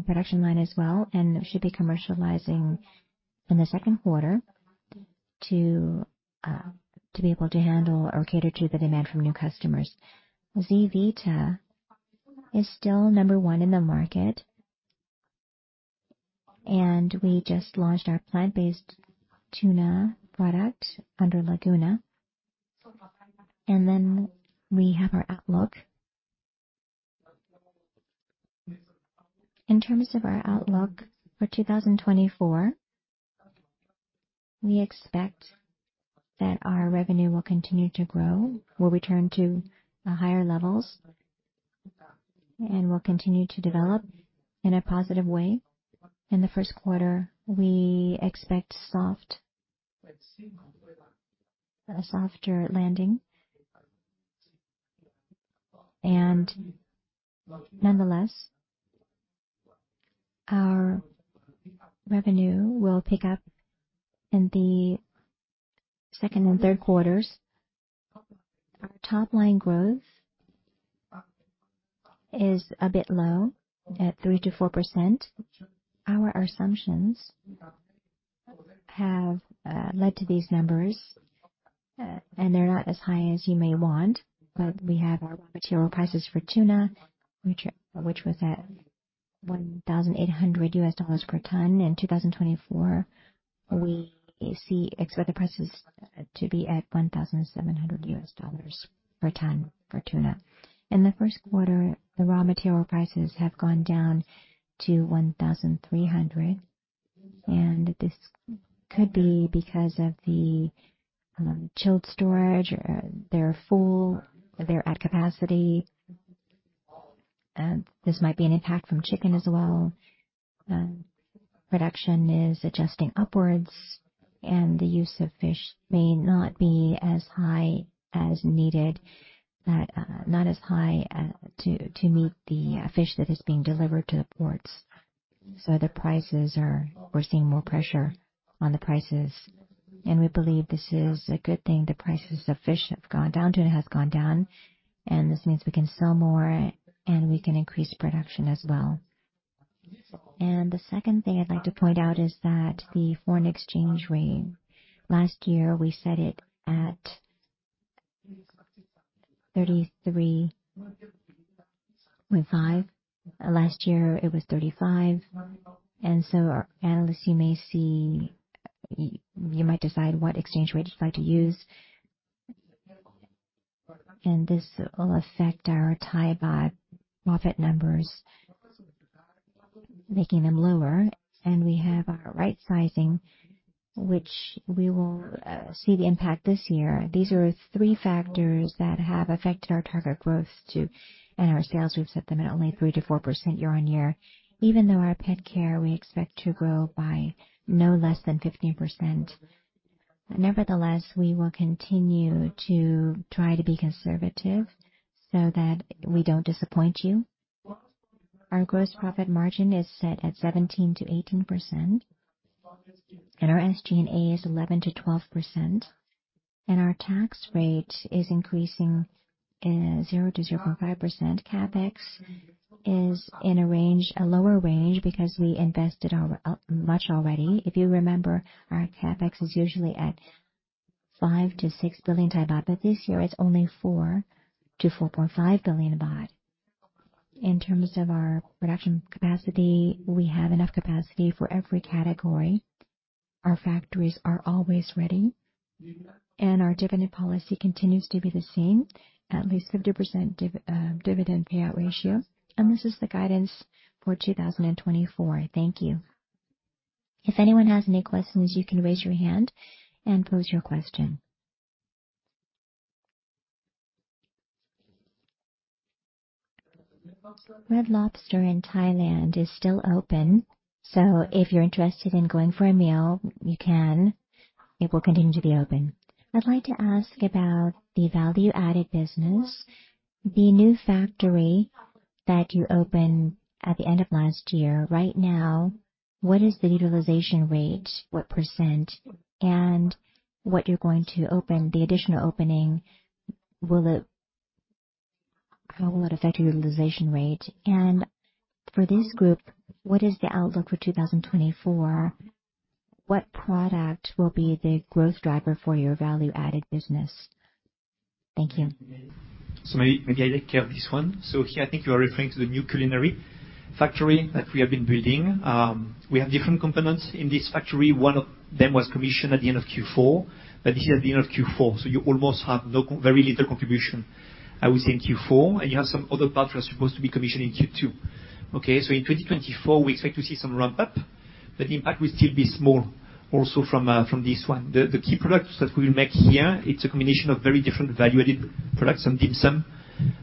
production line as well, and it should be commercializing in the second quarter to be able to handle or cater to the demand from new customers. ZEAvita is still number one in the market, and we just launched our plant-based tuna product under Laguna. And then we have our outlook. In terms of our outlook for 2024, we expect that our revenue will continue to grow, will return to higher levels, and will continue to develop in a positive way. In the first quarter, we expect a softer landing. Nonetheless, our revenue will pick up in the second and third quarters. Our top-line growth is a bit low at 3%-4%. Our assumptions have led to these numbers, and they're not as high as you may want, but we have our raw material prices for tuna, which was at $1,800 per ton. In 2024, we expect the prices to be at $1,700 per ton for tuna. In the first quarter, the raw material prices have gone down to $1,300, and this could be because of the chilled storage. They're full. They're at capacity. This might be an impact from chicken as well. Production is adjusting upwards, and the use of fish may not be as high as needed, not as high to meet the fish that is being delivered to the ports. So we're seeing more pressure on the prices. We believe this is a good thing. The prices of fish have gone down, tuna has gone down, and this means we can sell more, and we can increase production as well. The second thing I'd like to point out is that the foreign exchange rate. Last year, we set it at 33.5. Last year, it was 35. So our analysts, you might decide what exchange rate you'd like to use, and this will affect our Thai baht profit numbers, making them lower. We have our right-sizing, which we will see the impact this year. These are three factors that have affected our target growth and our sales. We've set them at only 3%-4% year-on-year, even though our PetCare, we expect to grow by no less than 15%. Nevertheless, we will continue to try to be conservative so that we don't disappoint you. Our gross profit margin is set at 17%-18%, and our SG&A is 11%-12%. Our tax rate is increasing 0%-0.5%. CAPEX is in a lower range because we invested much already. If you remember, our CAPEX is usually at 5 billion-6 billion baht, but this year, it's only 4 billion-4.5 billion baht. In terms of our production capacity, we have enough capacity for every category. Our factories are always ready, and our dividend policy continues to be the same, at least 50% dividend payout ratio. This is the guidance for 2024. Thank you. If anyone has any questions, you can raise your hand and pose your question. Red Lobster in Thailand is still open. So if you're interested in going for a meal, you can. It will continue to be open. I'd like to ask about the value-added business, the new factory that you opened at the end of last year. Right now, what is the utilization rate, what %, and what you're going to open, the additional opening, how will it affect your utilization rate? And for this group, what is the outlook for 2024? What product will be the growth driver for your value-added business? Thank you. So maybe I take care of this one. So here, I think you are referring to the new culinary factory that we have been building. We have different components in this factory. One of them was commissioned at the end of Q4, but this is at the end of Q4. So you almost have very little contribution, I would say, in Q4, and you have some other parts that are supposed to be commissioned in Q2. Okay? So in 2024, we expect to see some ramp-up, but the impact will still be small also from this one. The key products that we will make here, it's a combination of very different value-added products, some dim sum,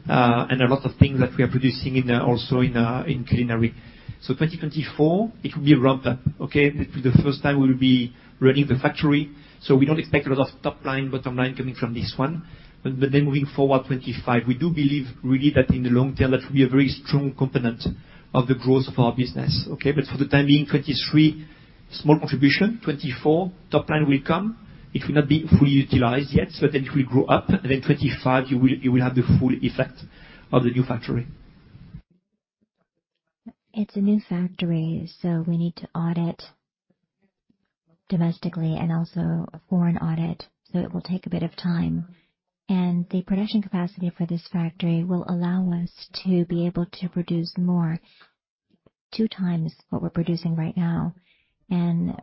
and a lot of things that we are producing also in culinary. So 2024, it will be a ramp-up. Okay? It will be the first time we will be running the factory. So we don't expect a lot of top line, bottom line coming from this one. But then moving forward, 2025, we do believe, really, that in the long term, that will be a very strong component of the growth of our business. Okay? But for the time being, 2023, small contribution. 2024, top line will come. It will not be fully utilized yet, but then it will grow up. And then 2025, you will have the full effect of the new factory. It's a new factory, so we need to audit domestically and also a foreign audit. So it will take a bit of time. And the production capacity for this factory will allow us to be able to produce more, 2 times what we're producing right now. And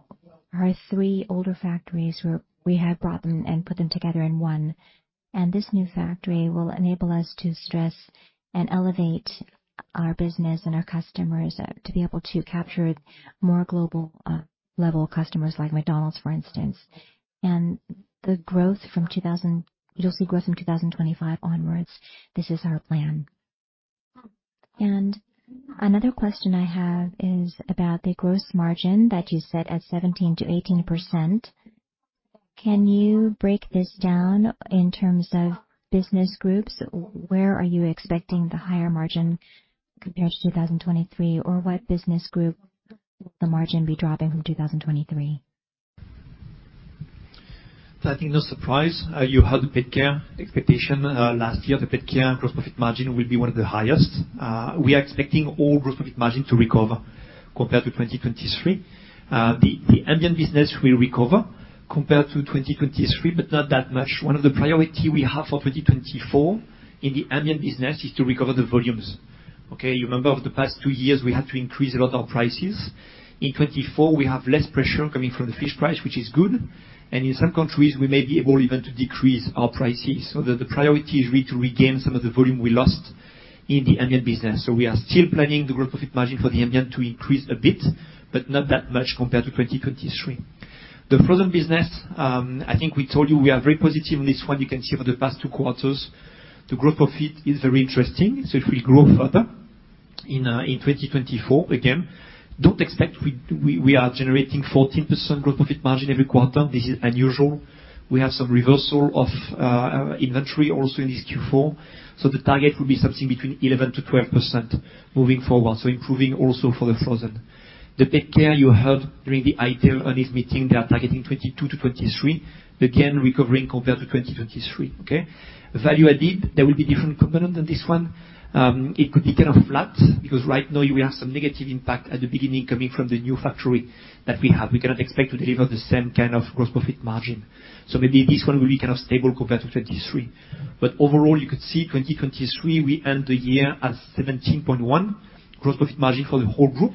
our 3 older factories, we had brought them and put them together in one. And this new factory will enable us to stress and elevate our business and our customers to be able to capture more global-level customers like McDonald's, for instance. And you'll see growth from 2025 onwards. This is our plan. And another question I have is about the gross margin that you set at 17%-18%. Can you break this down in terms of business groups? Where are you expecting the higher margin compared to 2023, or what business group will the margin be dropping from 2023? So I think no surprise. You had the PetCare expectation. Last year, the PetCare Gross Profit Margin will be one of the highest. We are expecting all Gross Profit Margin to recover compared to 2023. The Ambient business will recover compared to 2023, but not that much. One of the priorities we have for 2024 in the Ambient business is to recover the volumes. Okay? You remember, over the past two years, we had to increase a lot of our prices. In 2024, we have less pressure coming from the fish price, which is good. And in some countries, we may be able even to decrease our prices. So the priority is really to regain some of the volume we lost in the Ambient business. So we are still planning the Gross Profit Margin for the Ambient to increase a bit, but not that much compared to 2023. The frozen business, I think we told you we are very positive on this one. You can see over the past two quarters, the gross profit is very interesting. So it will grow further in 2024, again. Don't expect we are generating 14% gross profit margin every quarter. This is unusual. We have some reversal of inventory also in this Q4. So the target will be something between 11%-12% moving forward, so improving also for the frozen. The PetCare, you heard during the i-Tail earnings meeting, they are targeting 2022-2023, again recovering compared to 2023. Okay? Value added, there will be different components than this one. It could be kind of flat because right now, we have some negative impact at the beginning coming from the new factory that we have. We cannot expect to deliver the same kind of gross profit margin. Maybe this one will be kind of stable compared to 2023. Overall, you could see, 2023, we end the year at 17.1% gross profit margin for the whole group.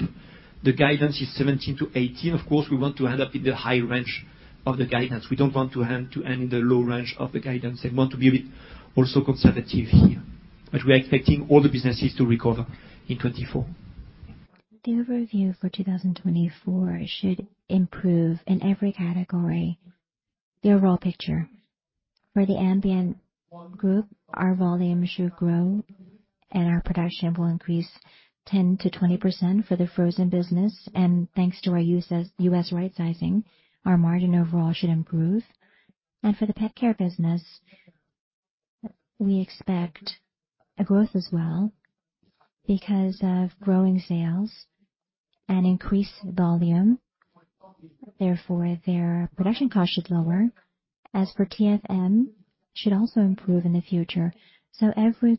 The guidance is 17%-18%. Of course, we want to end up in the high range of the guidance. We don't want to end in the low range of the guidance and want to be a bit also conservative here. We are expecting all the businesses to recover in 2024. The overview for 2024 should improve in every category, the overall picture. For the Ambient group, our volume should grow, and our production will increase 10%-20%. For the frozen business, and thanks to our U.S. right-sizing, our margin overall should improve. And for the PetCare business, we expect a growth as well because of growing sales and increased volume. Therefore, their production cost should lower. As for TFM, it should also improve in the future. So every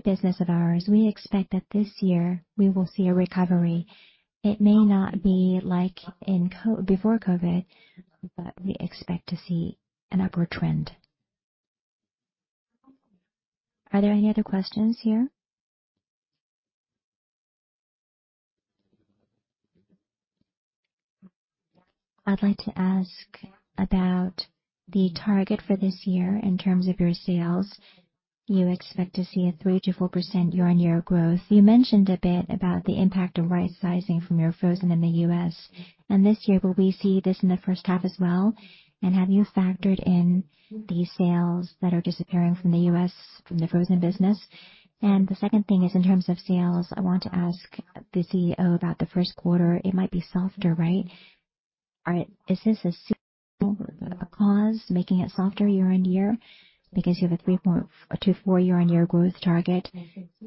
business of ours, we expect that this year, we will see a recovery. It may not be like before COVID, but we expect to see an upward trend. Are there any other questions here? I'd like to ask about the target for this year in terms of your sales. You expect to see a 3%-4% year-on-year growth. You mentioned a bit about the impact of right-sizing from your frozen in the U.S. And this year, will we see this in the first half as well? And have you factored in the sales that are disappearing from the U.S., from the frozen business? And the second thing is, in terms of sales, I want to ask the CEO about the first quarter. It might be softer, right? Is this a cause making it softer year-on-year because you have a 3%-4% year-on-year growth target,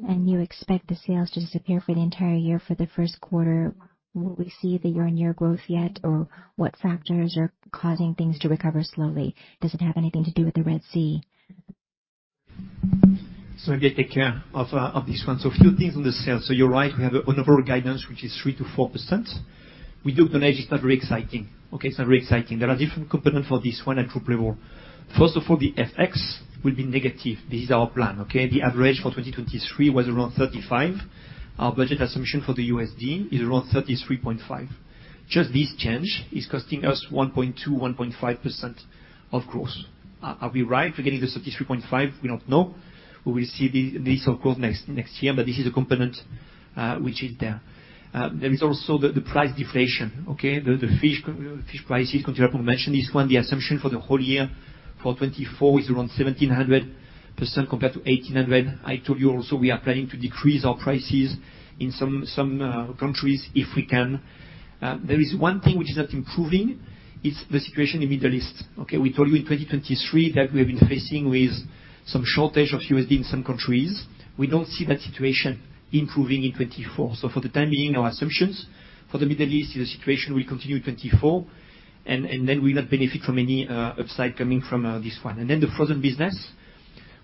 and you expect the sales to disappear for the entire year for the first quarter? Will we see the year-on-year growth yet, or what factors are causing things to recover slowly? Does it have anything to do with the Red Sea? So I did take care of this one. So a few things on the sales. So you're right. We have an overall guidance, which is 3%-4%. We do acknowledge it's not very exciting. Okay? It's not very exciting. There are different components for this one at group level. First of all, the FX will be negative. This is our plan. Okay? The average for 2023 was around 35. Our budget assumption for the USD is around 33.5. Just this change is costing us 1.2%-1.5% of growth. Are we right? We're getting the 33.5? We don't know. We will see this, of course, next year, but this is a component which is there. There is also the price deflation. Okay? The fish prices continue up. We mentioned this one. The assumption for the whole year for 2024 is around 1,700% compared to 1,800. I told you also we are planning to decrease our prices in some countries if we can. There is one thing which is not improving. It's the situation in the Middle East. Okay? We told you in 2023 that we have been facing some shortage of U.S. dollars in some countries. We don't see that situation improving in 2024. So for the time being, our assumptions for the Middle East is the situation will continue in 2024, and then we will not benefit from any upside coming from this one. And then the frozen business,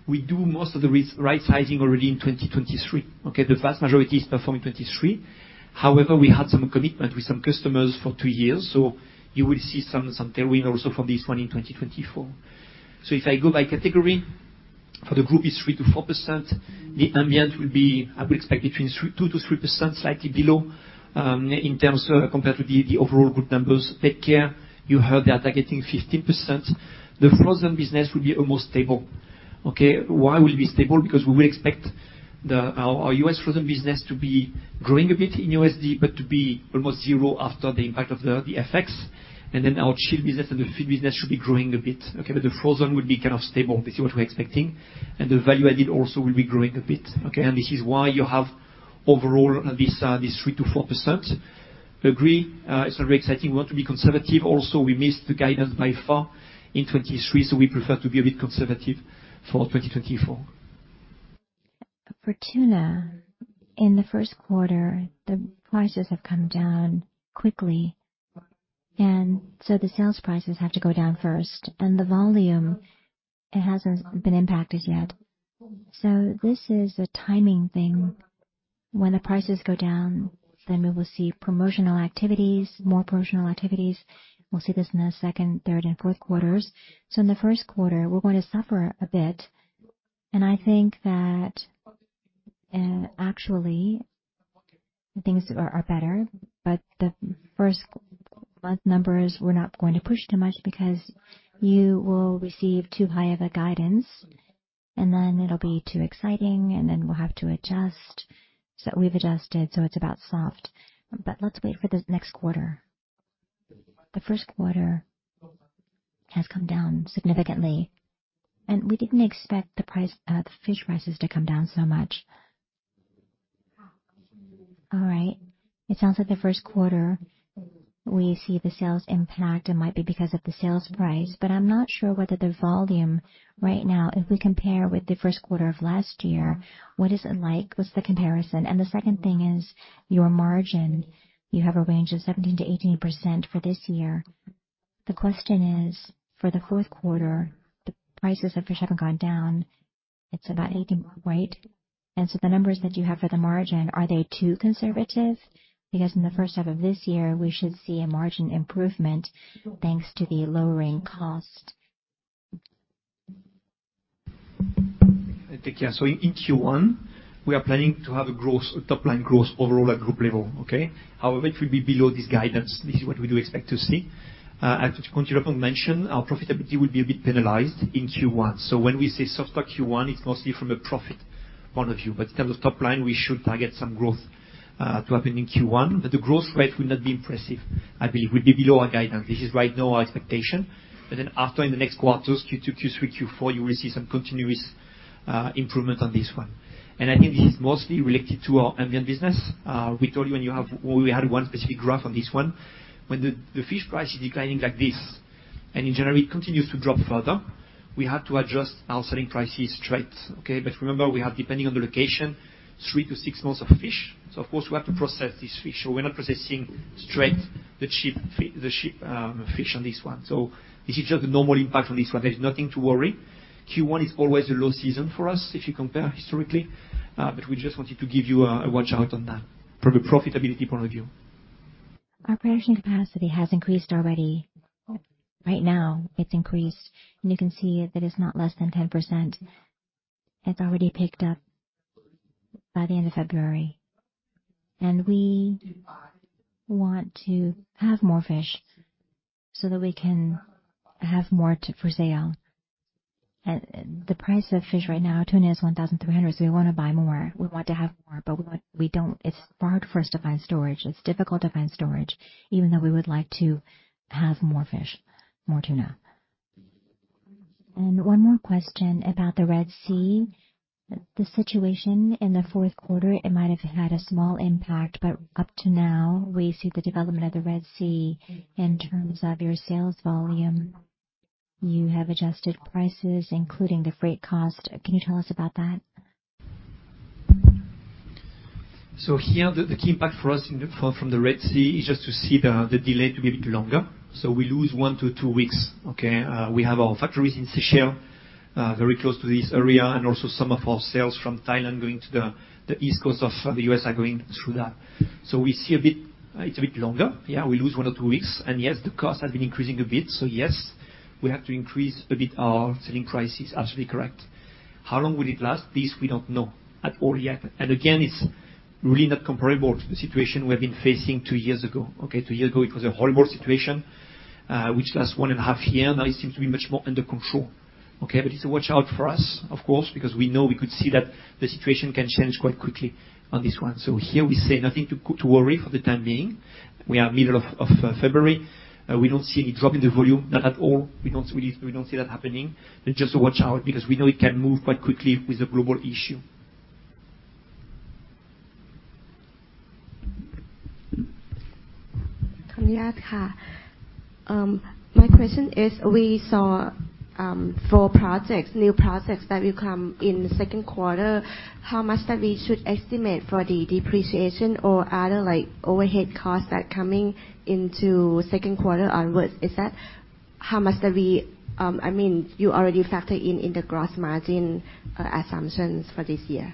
we do most of the right-sizing already in 2023. Okay? The vast majority is performed in 2023. However, we had some commitment with some customers for two years, so you will see some tailwind also from this one in 2024. So if I go by category, for the group, it's 3%-4%. The Ambient will be, I would expect, between 2%-3%, slightly below in terms compared to the overall group numbers. PetCare, you heard they are targeting 15%. The frozen business will be almost stable. Okay? Why will it be stable? Because we will expect our U.S. frozen business to be growing a bit in USD but to be almost zero after the impact of the FX. And then our chilled business and the feed business should be growing a bit. Okay? But the frozen will be kind of stable. This is what we're expecting. And the value added also will be growing a bit. Okay? And this is why you have overall this 3%-4%. Agree. It's not very exciting. We want to be conservative. Also, we missed the guidance by far in 2023, so we prefer to be a bit conservative for 2024. For Tuna, in the first quarter, the prices have come down quickly, and so the sales prices have to go down first. And the volume, it hasn't been impacted yet. So this is a timing thing. When the prices go down, then we will see promotional activities, more promotional activities. We'll see this in the second, third, and fourth quarters. So in the first quarter, we're going to suffer a bit. And I think that, actually, things are better, but the first month numbers, we're not going to push too much because you will receive too high of a guidance, and then it'll be too exciting, and then we'll have to adjust. So we've adjusted, so it's about soft. But let's wait for the next quarter. The first quarter has come down significantly, and we didn't expect the fish prices to come down so much. All right. It sounds like the first quarter, we see the sales impact. It might be because of the sales price, but I'm not sure whether the volume right now, if we compare with the first quarter of last year, what is it like? What's the comparison? And the second thing is your margin. You have a range of 17%-18% for this year. The question is, for the fourth quarter, the prices of fish haven't gone down. It's about 18, right? And so the numbers that you have for the margin, are they too conservative? Because in the first half of this year, we should see a margin improvement thanks to the lowering cost. I take care. So in Q1, we are planning to have a top line growth overall at group level. Okay? However, it will be below this guidance. This is what we do expect to see. As Jude Hoffman mentioned, our profitability will be a bit penalized in Q1. So when we say softer Q1, it's mostly from a profit point of view. But in terms of top line, we should target some growth to happen in Q1. But the growth rate will not be impressive, I believe. It will be below our guidance. This is right now our expectation. But then after, in the next quarters, Q2, Q3, Q4, you will see some continuous improvement on this one. And I think this is mostly related to our Ambient business. We told you when we had one specific graph on this one. When the fish price is declining like this and, in general, it continues to drop further, we have to adjust our selling prices straight. Okay? But remember, we have, depending on the location, 3-6 months of fish. So, of course, we have to process this fish. So we're not processing straight the cheap fish on this one. So this is just the normal impact on this one. There's nothing to worry. Q1 is always a low season for us if you compare historically, but we just wanted to give you a watch out on that from a profitability point of view. Our production capacity has increased already. Right now, it's increased, and you can see that it's not less than 10%. It's already picked up by the end of February. We want to have more fish so that we can have more for sale. And the price of fish right now, tuna is 1,300, so we want to buy more. We want to have more, but it's hard for us to find storage. It's difficult to find storage, even though we would like to have more fish, more tuna. And one more question about the Red Sea. The situation in the fourth quarter, it might have had a small impact, but up to now, we see the development of the Red Sea in terms of your sales volume. You have adjusted prices, including the freight cost. Can you tell us about that? So here, the key impact for us from the Red Sea is just to see the delay to be a bit longer. So we lose one to two weeks. Okay? We have our factories in Seychelles, very close to this area, and also some of our sales from Thailand going to the East Coast of the U.S. are going through that. So we see a bit it's a bit longer. Yeah, we lose one or two weeks. And yes, the cost has been increasing a bit. So yes, we have to increase a bit our selling prices. Absolutely correct. How long will it last? This, we don't know at all yet. And again, it's really not comparable to the situation we have been facing two years ago. Okay? Two years ago, it was a horrible situation, which lasts one and a half years. Now, it seems to be much more under control. Okay? But it's a watch out for us, of course, because we know we could see that the situation can change quite quickly on this one. So here, we say nothing to worry for the time being. We are middle of February. We don't see any drop in the volume, not at all. We don't see that happening. Just a watch out because we know it can move quite quickly with a global issue. Thank you, Ad. My question is, we saw four projects, new projects that will come in the second quarter. How much that we should estimate for the depreciation or other overhead costs that are coming into second quarter onwards? How much that we I mean, you already factored in the gross margin assumptions for this year.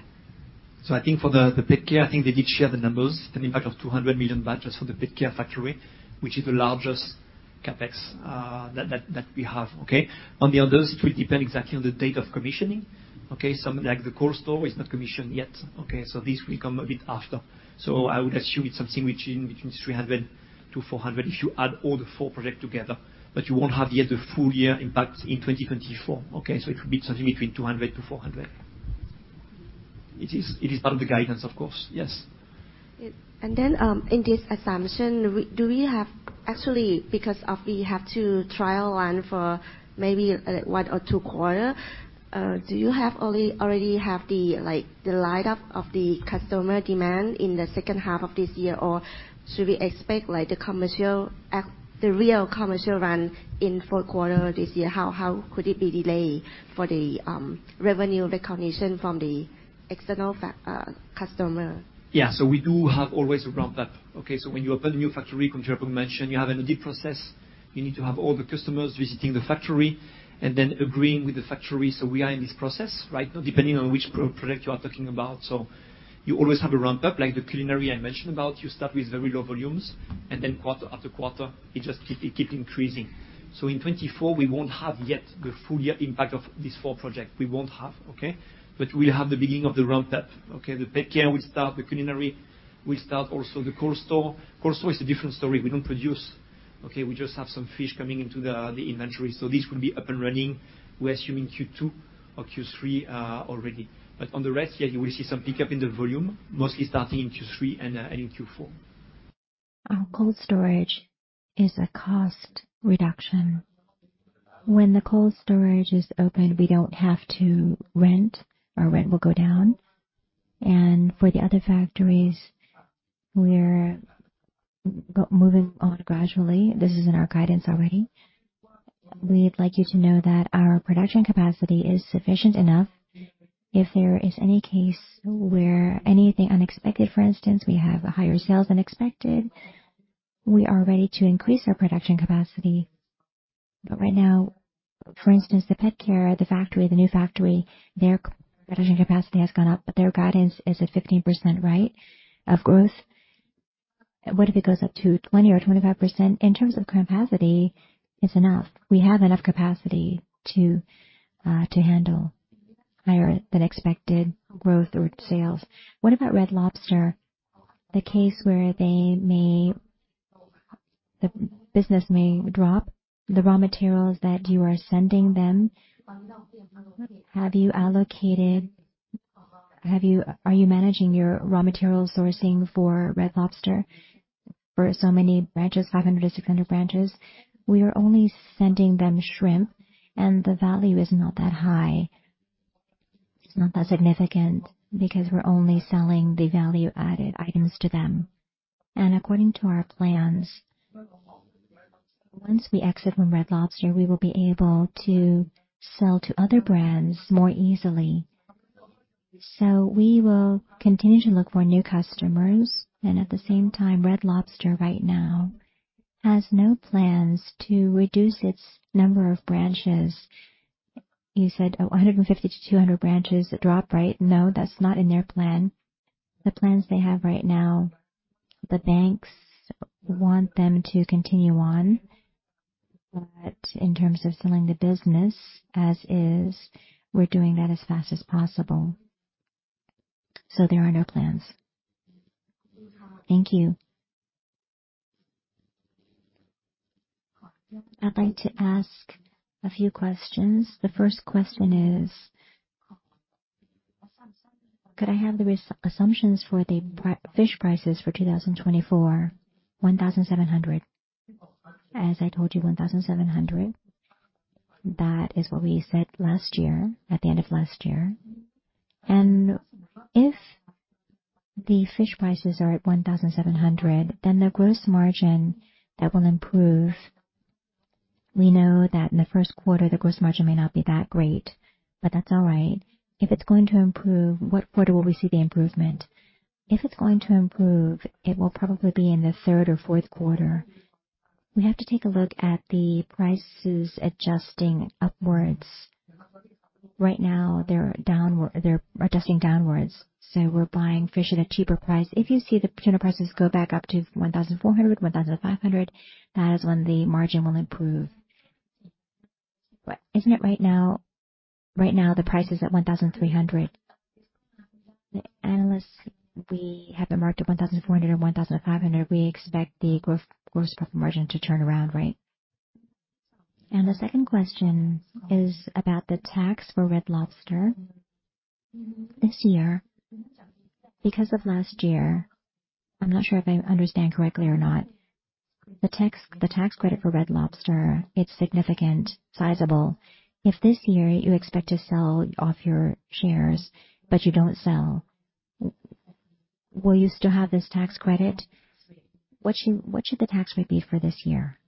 So I think for the PetCare, I think they did share the numbers, an impact of 200 million baht just for the PetCare factory, which is the largest CAPEX that we have. Okay? On the others, it will depend exactly on the date of commissioning. Okay? The core store is not commissioned yet. Okay? So this will come a bit after. So I would assume it's something between 300 million-400 million if you add all the 4 projects together. But you won't have yet the full-year impact in 2024. Okay? So it will be something between 200 million-400 million. It is part of the guidance, of course. Yes. And then in this assumption, do we have actually, because we have to trial run for maybe one or two quarters, do you already have the lineup of the customer demand in the second half of this year, or should we expect the real commercial run in fourth quarter this year? How could it be delayed for the revenue recognition from the external customer? Yeah. So we do have always a ramp-up. Okay? So when you open a new factory, Martin Hoffmann mentioned, you have an audit process. You need to have all the customers visiting the factory and then agreeing with the factory. So we are in this process, right, depending on which product you are talking about. So you always have a ramp-up. Like the culinary I mentioned about, you start with very low volumes, and then quarter after quarter, it just keeps increasing. So in 2024, we won't have yet the full-year impact of these four projects. We won't have. Okay? But we'll have the beginning of the ramp-up. Okay? The PetCare will start. The culinary will start also. The cold store is a different story. We don't produce. Okay? We just have some fish coming into the inventory. So this will be up and running, we're assuming, Q2 or Q3 already. But on the rest year, you will see some pickup in the volume, mostly starting in Q3 and in Q4. Our cold storage is a cost reduction. When the cold storage is opened, we don't have to rent, our rent will go down. For the other factories, we're moving on gradually. This is in our guidance already. We'd like you to know that our production capacity is sufficient enough. If there is any case where anything unexpected, for instance, we have higher sales than expected, we are ready to increase our production capacity. But right now, for instance, the PetCare, the factory, the new factory, their production capacity has gone up, but their guidance is at 15%, right, of growth. What if it goes up to 20% or 25%? In terms of capacity, it's enough. We have enough capacity to handle higher-than-expected growth or sales. What about Red Lobster, the case where the business may drop? The raw materials that you are sending them, have you allocated? Are you managing your raw material sourcing for Red Lobster for so many branches, 500-600 branches? We are only sending them shrimp, and the value is not that high. It's not that significant because we're only selling the value-added items to them. According to our plans, once we exit from Red Lobster, we will be able to sell to other brands more easily. So we will continue to look for new customers. And at the same time, Red Lobster right now has no plans to reduce its number of branches. You said 150-200 branches drop, right? No, that's not in their plan. The plans they have right now, the banks want them to continue on. But in terms of selling the business as is, we're doing that as fast as possible. There are no plans. Thank you. I'd like to ask a few questions. The first question is, could I have the assumptions for the fish prices for 2024: 1,700? As I told you, 1,700. That is what we said last year, at the end of last year. And if the fish prices are at 1,700, then the gross margin that will improve. We know that in the first quarter, the gross margin may not be that great, but that's all right. If it's going to improve, what quarter will we see the improvement? If it's going to improve, it will probably be in the third or fourth quarter. We have to take a look at the prices adjusting upwards. Right now, they're adjusting downwards, so we're buying fish at a cheaper price. If you see the tuna prices go back up to $1,400, $1,500, that is when the margin will improve. But isn't it right now the price is at $1,300? The analysts we have been marked at $1,400 and $1,500, we expect the gross profit margin to turn around, right? And the second question is about the tax for Red Lobster. This year, because of last year I'm not sure if I understand correctly or not. The tax credit for Red Lobster, it's significant, sizable. If this year, you expect to sell off your shares but you don't sell, will you still have this tax credit? What should the tax rate be for this year?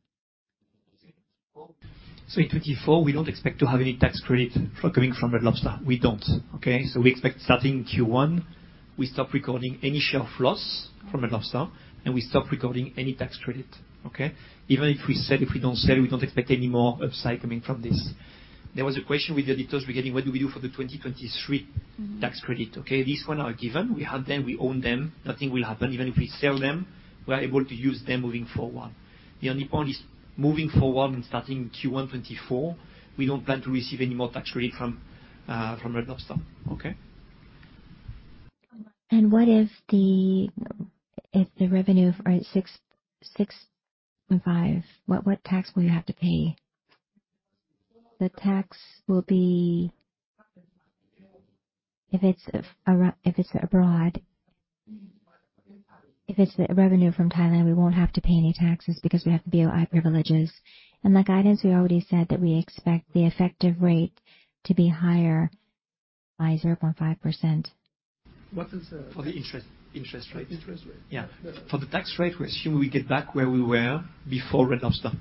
So in 2024, we don't expect to have any tax credit coming from Red Lobster. We don't. Okay? So we expect starting Q1, we stop recording any share of loss from Red Lobster, and we stop recording any tax credit. Okay? Even if we sell, if we don't sell, we don't expect any more upside coming from this. There was a question with the auditors regarding what do we do for the 2023 tax credit. Okay? These one are given. We have them. We own them. Nothing will happen. Even if we sell them, we are able to use them moving forward. The only point is moving forward and starting Q1, 2024, we don't plan to receive any more tax credit from Red Lobster. Okay? What if the revenue are at 6.5? What tax will you have to pay? The tax will be if it's abroad, if it's revenue from Thailand, we won't have to pay any taxes because we have BOI privileges. In the guidance, we already said that we expect the effective rate to be higher by 0.5%. What is the? For the interest rate. Interest rate. Yeah. For the tax rate, we assume we get back where we were before Red Lobster.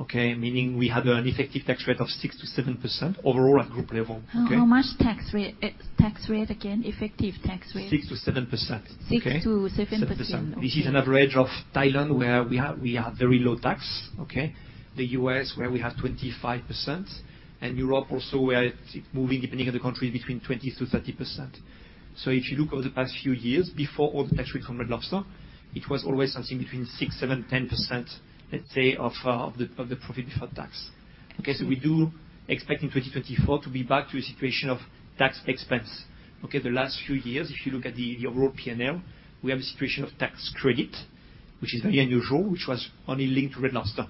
Okay? Meaning we had an effective tax rate of 6%-7% overall at group level. Okay? How much tax rate again, effective tax rate? 6%-7%. 6%-7%. 6%-7%. <crosstalk> This is an average of Thailand where we have very low tax. Okay? The U.S., where we have 25%. And Europe, also, where it's moving, depending on the countries, between 20%-30%. So if you look over the past few years, before all the tax rate from Red Lobster, it was always something between six, seven, 10%, let's say, of the profit before tax. Okay? So we do expect in 2024 to be back to a situation of tax expense. Okay? The last few years, if you look at the overall P&L, we have a situation of tax credit, which is very unusual, which was only linked to Red Lobster.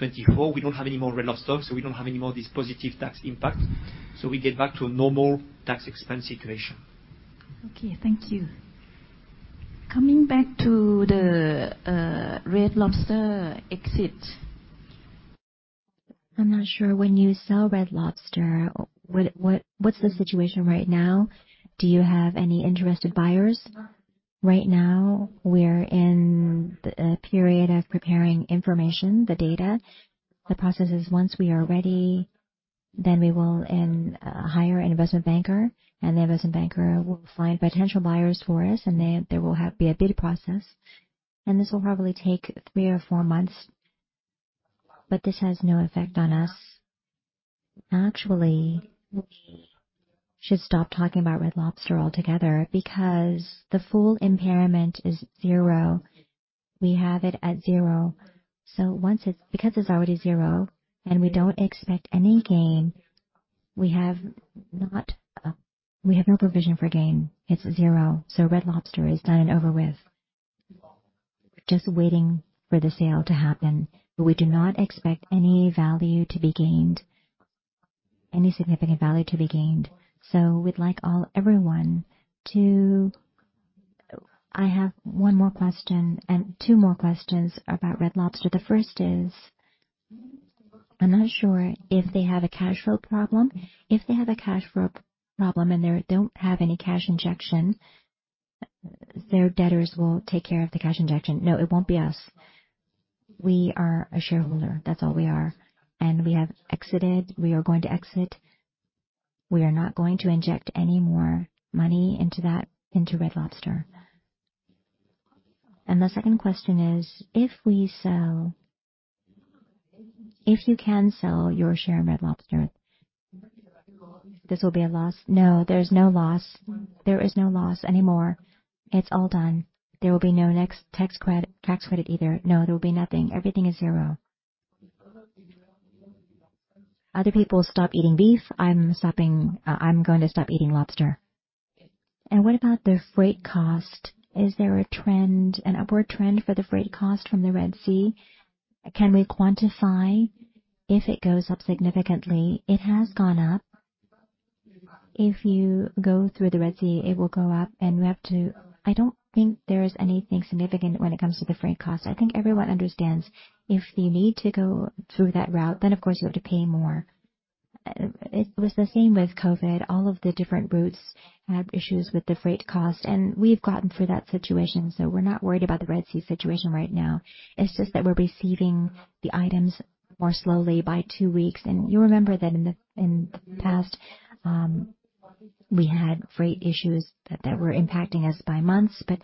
2024, we don't have any more Red Lobster, so we don't have any more of this positive tax impact. So we get back to a normal tax expense situation. Okay. Thank you. Coming back to the Red Lobster exit. I'm not sure. When you sell Red Lobster, what's the situation right now? Do you have any interested buyers? Right now, we're in a period of preparing information, the data. The process is once we are ready, then we will hire an investment banker, and the investment banker will find potential buyers for us, and there will be a bid process. This will probably take three or four months, but this has no effect on us. Actually, we should stop talking about Red Lobster altogether because the full impairment is zero. We have it at zero. Because it's already zero and we don't expect any gain, we have no provision for gain. It's zero. Red Lobster is done and over with. We're just waiting for the sale to happen, but we do not expect any value to be gained, any significant value to be gained. So we'd like everyone to. I have one more question and two more questions about Red Lobster. The first is, I'm not sure if they have a cash flow problem. If they have a cash flow problem and they don't have any cash injection, their debtors will take care of the cash injection. No, it won't be us. We are a shareholder. That's all we are. And we have exited. We are going to exit. We are not going to inject any more money into Red Lobster. And the second question is, if we sell if you can sell your share in Red Lobster, this will be a loss? No, there's no loss. There is no loss anymore. It's all done. There will be no next tax credit either. No, there will be nothing. Everything is zero. Other people stop eating beef. I'm going to stop eating lobster. And what about the freight cost? Is there an upward trend for the freight cost from the Red Sea? Can we quantify if it goes up significantly? It has gone up. If you go through the Red Sea, it will go up, and we have to. I don't think there is anything significant when it comes to the freight cost. I think everyone understands if you need to go through that route, then, of course, you have to pay more. It was the same with COVID. All of the different routes had issues with the freight cost, and we've gotten through that situation, so we're not worried about the Red Sea situation right now. It's just that we're receiving the items more slowly by two weeks. And you remember that in the past, we had freight issues that were impacting us by months, but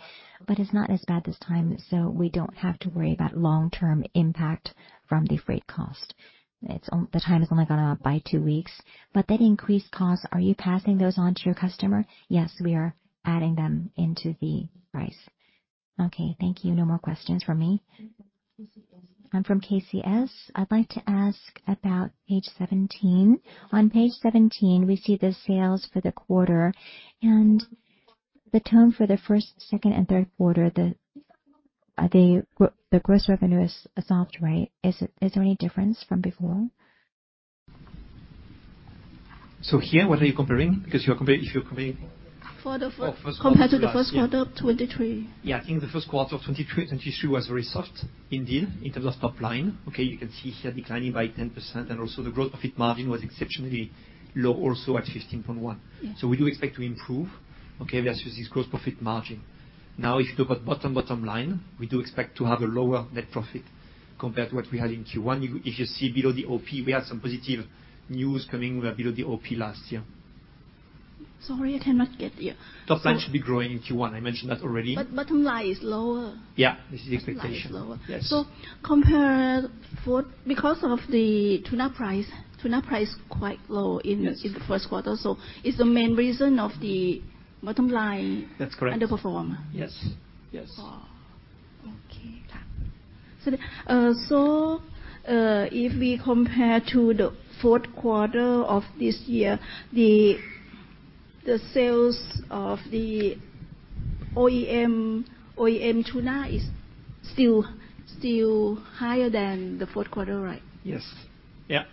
it's not as bad this time, so we don't have to worry about long-term impact from the freight cost. The time has only gone up by two weeks. But that increased cost, are you passing those on to your customer? Yes, we are adding them into the price. Okay. Thank you. No more questions from me. I'm from KCS. I'd like to ask about page 17. On page 17, we see the sales for the quarter and the tone for the first, second, and third quarter. The gross revenue is soft, right? Is there any difference from before? So here, what are you comparing? Because if you're comparing to the first quarter of 2023. Yeah. I think the first quarter of 2023 was very soft indeed in terms of top line. Okay? You can see here declining by 10%, and also the gross profit margin was exceptionally low also at 15.1%. So we do expect to improve, okay, versus this gross profit margin. Now, if you look at bottom line, we do expect to have a lower net profit compared to what we had in Q1. If you see below the OP, we had some positive news coming below the OP last year. Sorry, I cannot get you. Top line should be growing in Q1. I mentioned that already. Bottom line is lower. Yeah. This is the expectation. Bottom line is lower. Yes. So, compare because of the tuna price, tuna price quite low in the first quarter, so is the main reason of the bottom line underperform? That's correct. Yes. Yes. Okay. If we compare to the fourth quarter of this year, the sales of the OEM Tuna is still higher than the fourth quarter, right? Yes. Yeah.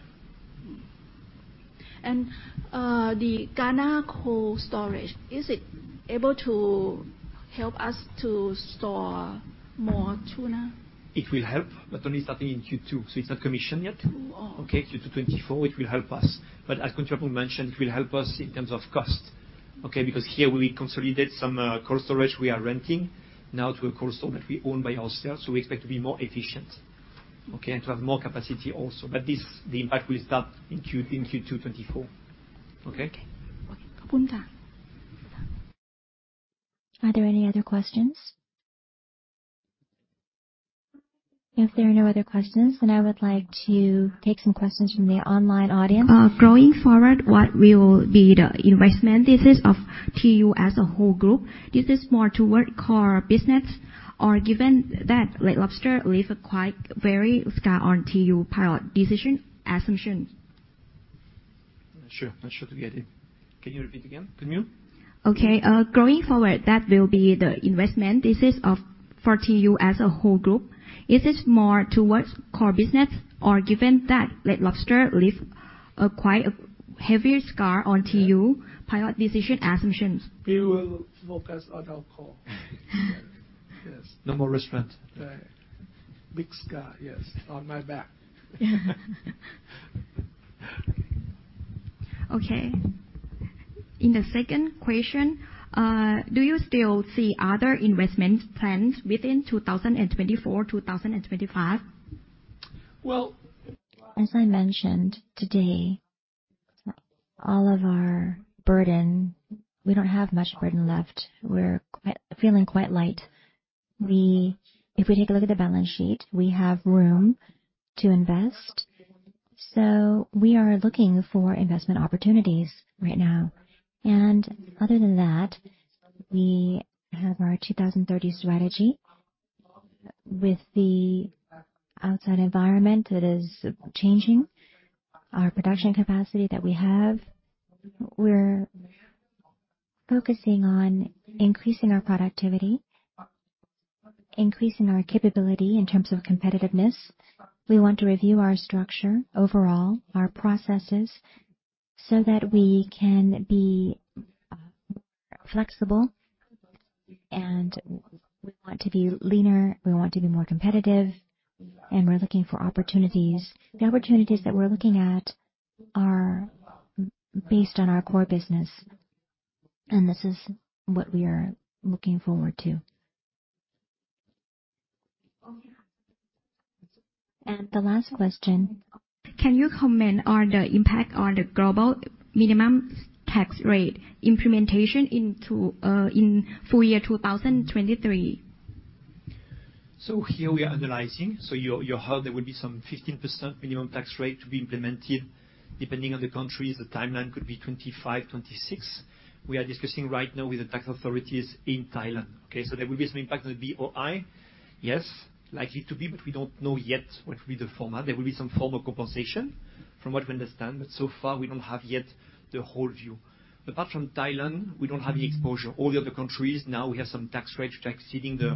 The Ghana cold storage, is it able to help us to store more tuna? It will help, but only starting in Q2. So it's not commissioned yet. Okay? Q2, 2024, it will help us. But as Country Hapun mentioned, it will help us in terms of cost. Okay? Because here, we consolidate some cold storage we are renting now to a cold store that we own by ourselves, so we expect to be more efficient, okay, and to have more capacity also. But the impact will start in Q2, 2024. Okay? Okay. Okay. Thank you, Punta. Are there any other questions? If there are no other questions, then I would like to take some questions from the online audience. Going forward, what will be the investment thesis of TU as a whole group? This is more toward core business, or given that Red Lobster leaves a very scar on TU pilot decision assumption? Not sure. Not sure to get it. Can you repeat again? Can you? Okay. Going forward, that will be the investment thesis for TU as a whole group. Is this more towards core business, or given that Red Lobster leaves quite a heavy scar on TU prior decision assumptions? We will focus on our core. Yes. No more restaurant. Big scar. Yes. On my back. <crosstalk> Okay. In the second question, do you still see other investment plans within 2024, 2025? Well. As I mentioned today, all of our burden we don't have much burden left. We're feeling quite light. If we take a look at the balance sheet, we have room to invest. We are looking for investment opportunities right now. Other than that, we have our Strategy 2030. With the outside environment that is changing, our production capacity that we have, we're focusing on increasing our productivity, increasing our capability in terms of competitiveness. We want to review our structure overall, our processes, so that we can be more flexible. We want to be leaner. We want to be more competitive. We're looking for opportunities. The opportunities that we're looking at are based on our core business, and this is what we are looking forward to. The last question. Can you comment on the impact on the Global Minimum Tax implementation in full year 2023? So here, we are analyzing. So you heard there will be some 15% minimum tax rate to be implemented. Depending on the countries, the timeline could be 2025, 2026. We are discussing right now with the tax authorities in Thailand. Okay? So there will be some impact on the BOI. Yes, likely to be, but we don't know yet what will be the format. There will be some form of compensation from what we understand, but so far, we don't have yet the whole view. Apart from Thailand, we don't have any exposure. All the other countries, now, we have some tax rates exceeding the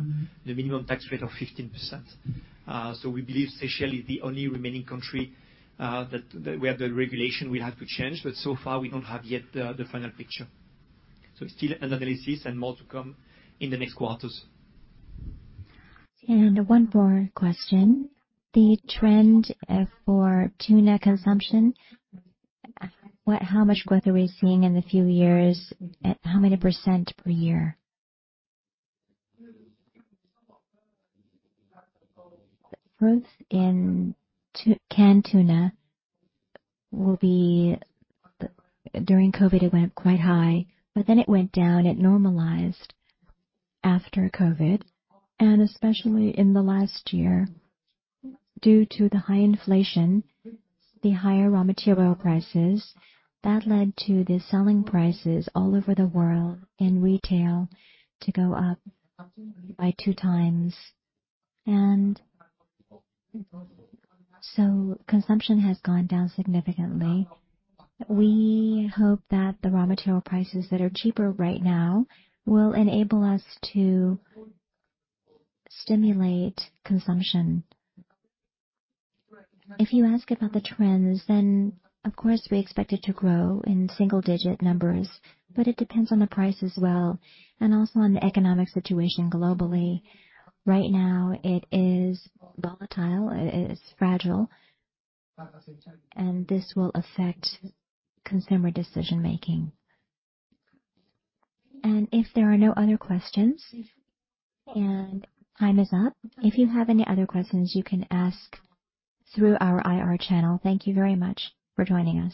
minimum tax rate of 15%. So we believe, especially the only remaining country where the regulation will have to change, but so far, we don't have yet the final picture. So it's still an analysis and more to come in the next quarters. One more question. The trend for tuna consumption, how much growth are we seeing in the few years? How many % per year? The growth in canned tuna will be during COVID, it went up quite high, but then it went down. It normalized after COVID, and especially in the last year. Due to the high inflation, the higher raw material prices, that led to the selling prices all over the world in retail to go up by two times. And so consumption has gone down significantly. We hope that the raw material prices that are cheaper right now will enable us to stimulate consumption. If you ask about the trends, then, of course, we expect it to grow in single-digit numbers, but it depends on the price as well and also on the economic situation globally. Right now, it is volatile. It is fragile, and this will affect consumer decision-making. If there are no other questions and time is up, if you have any other questions, you can ask through our IR channel. Thank you very much for joining us.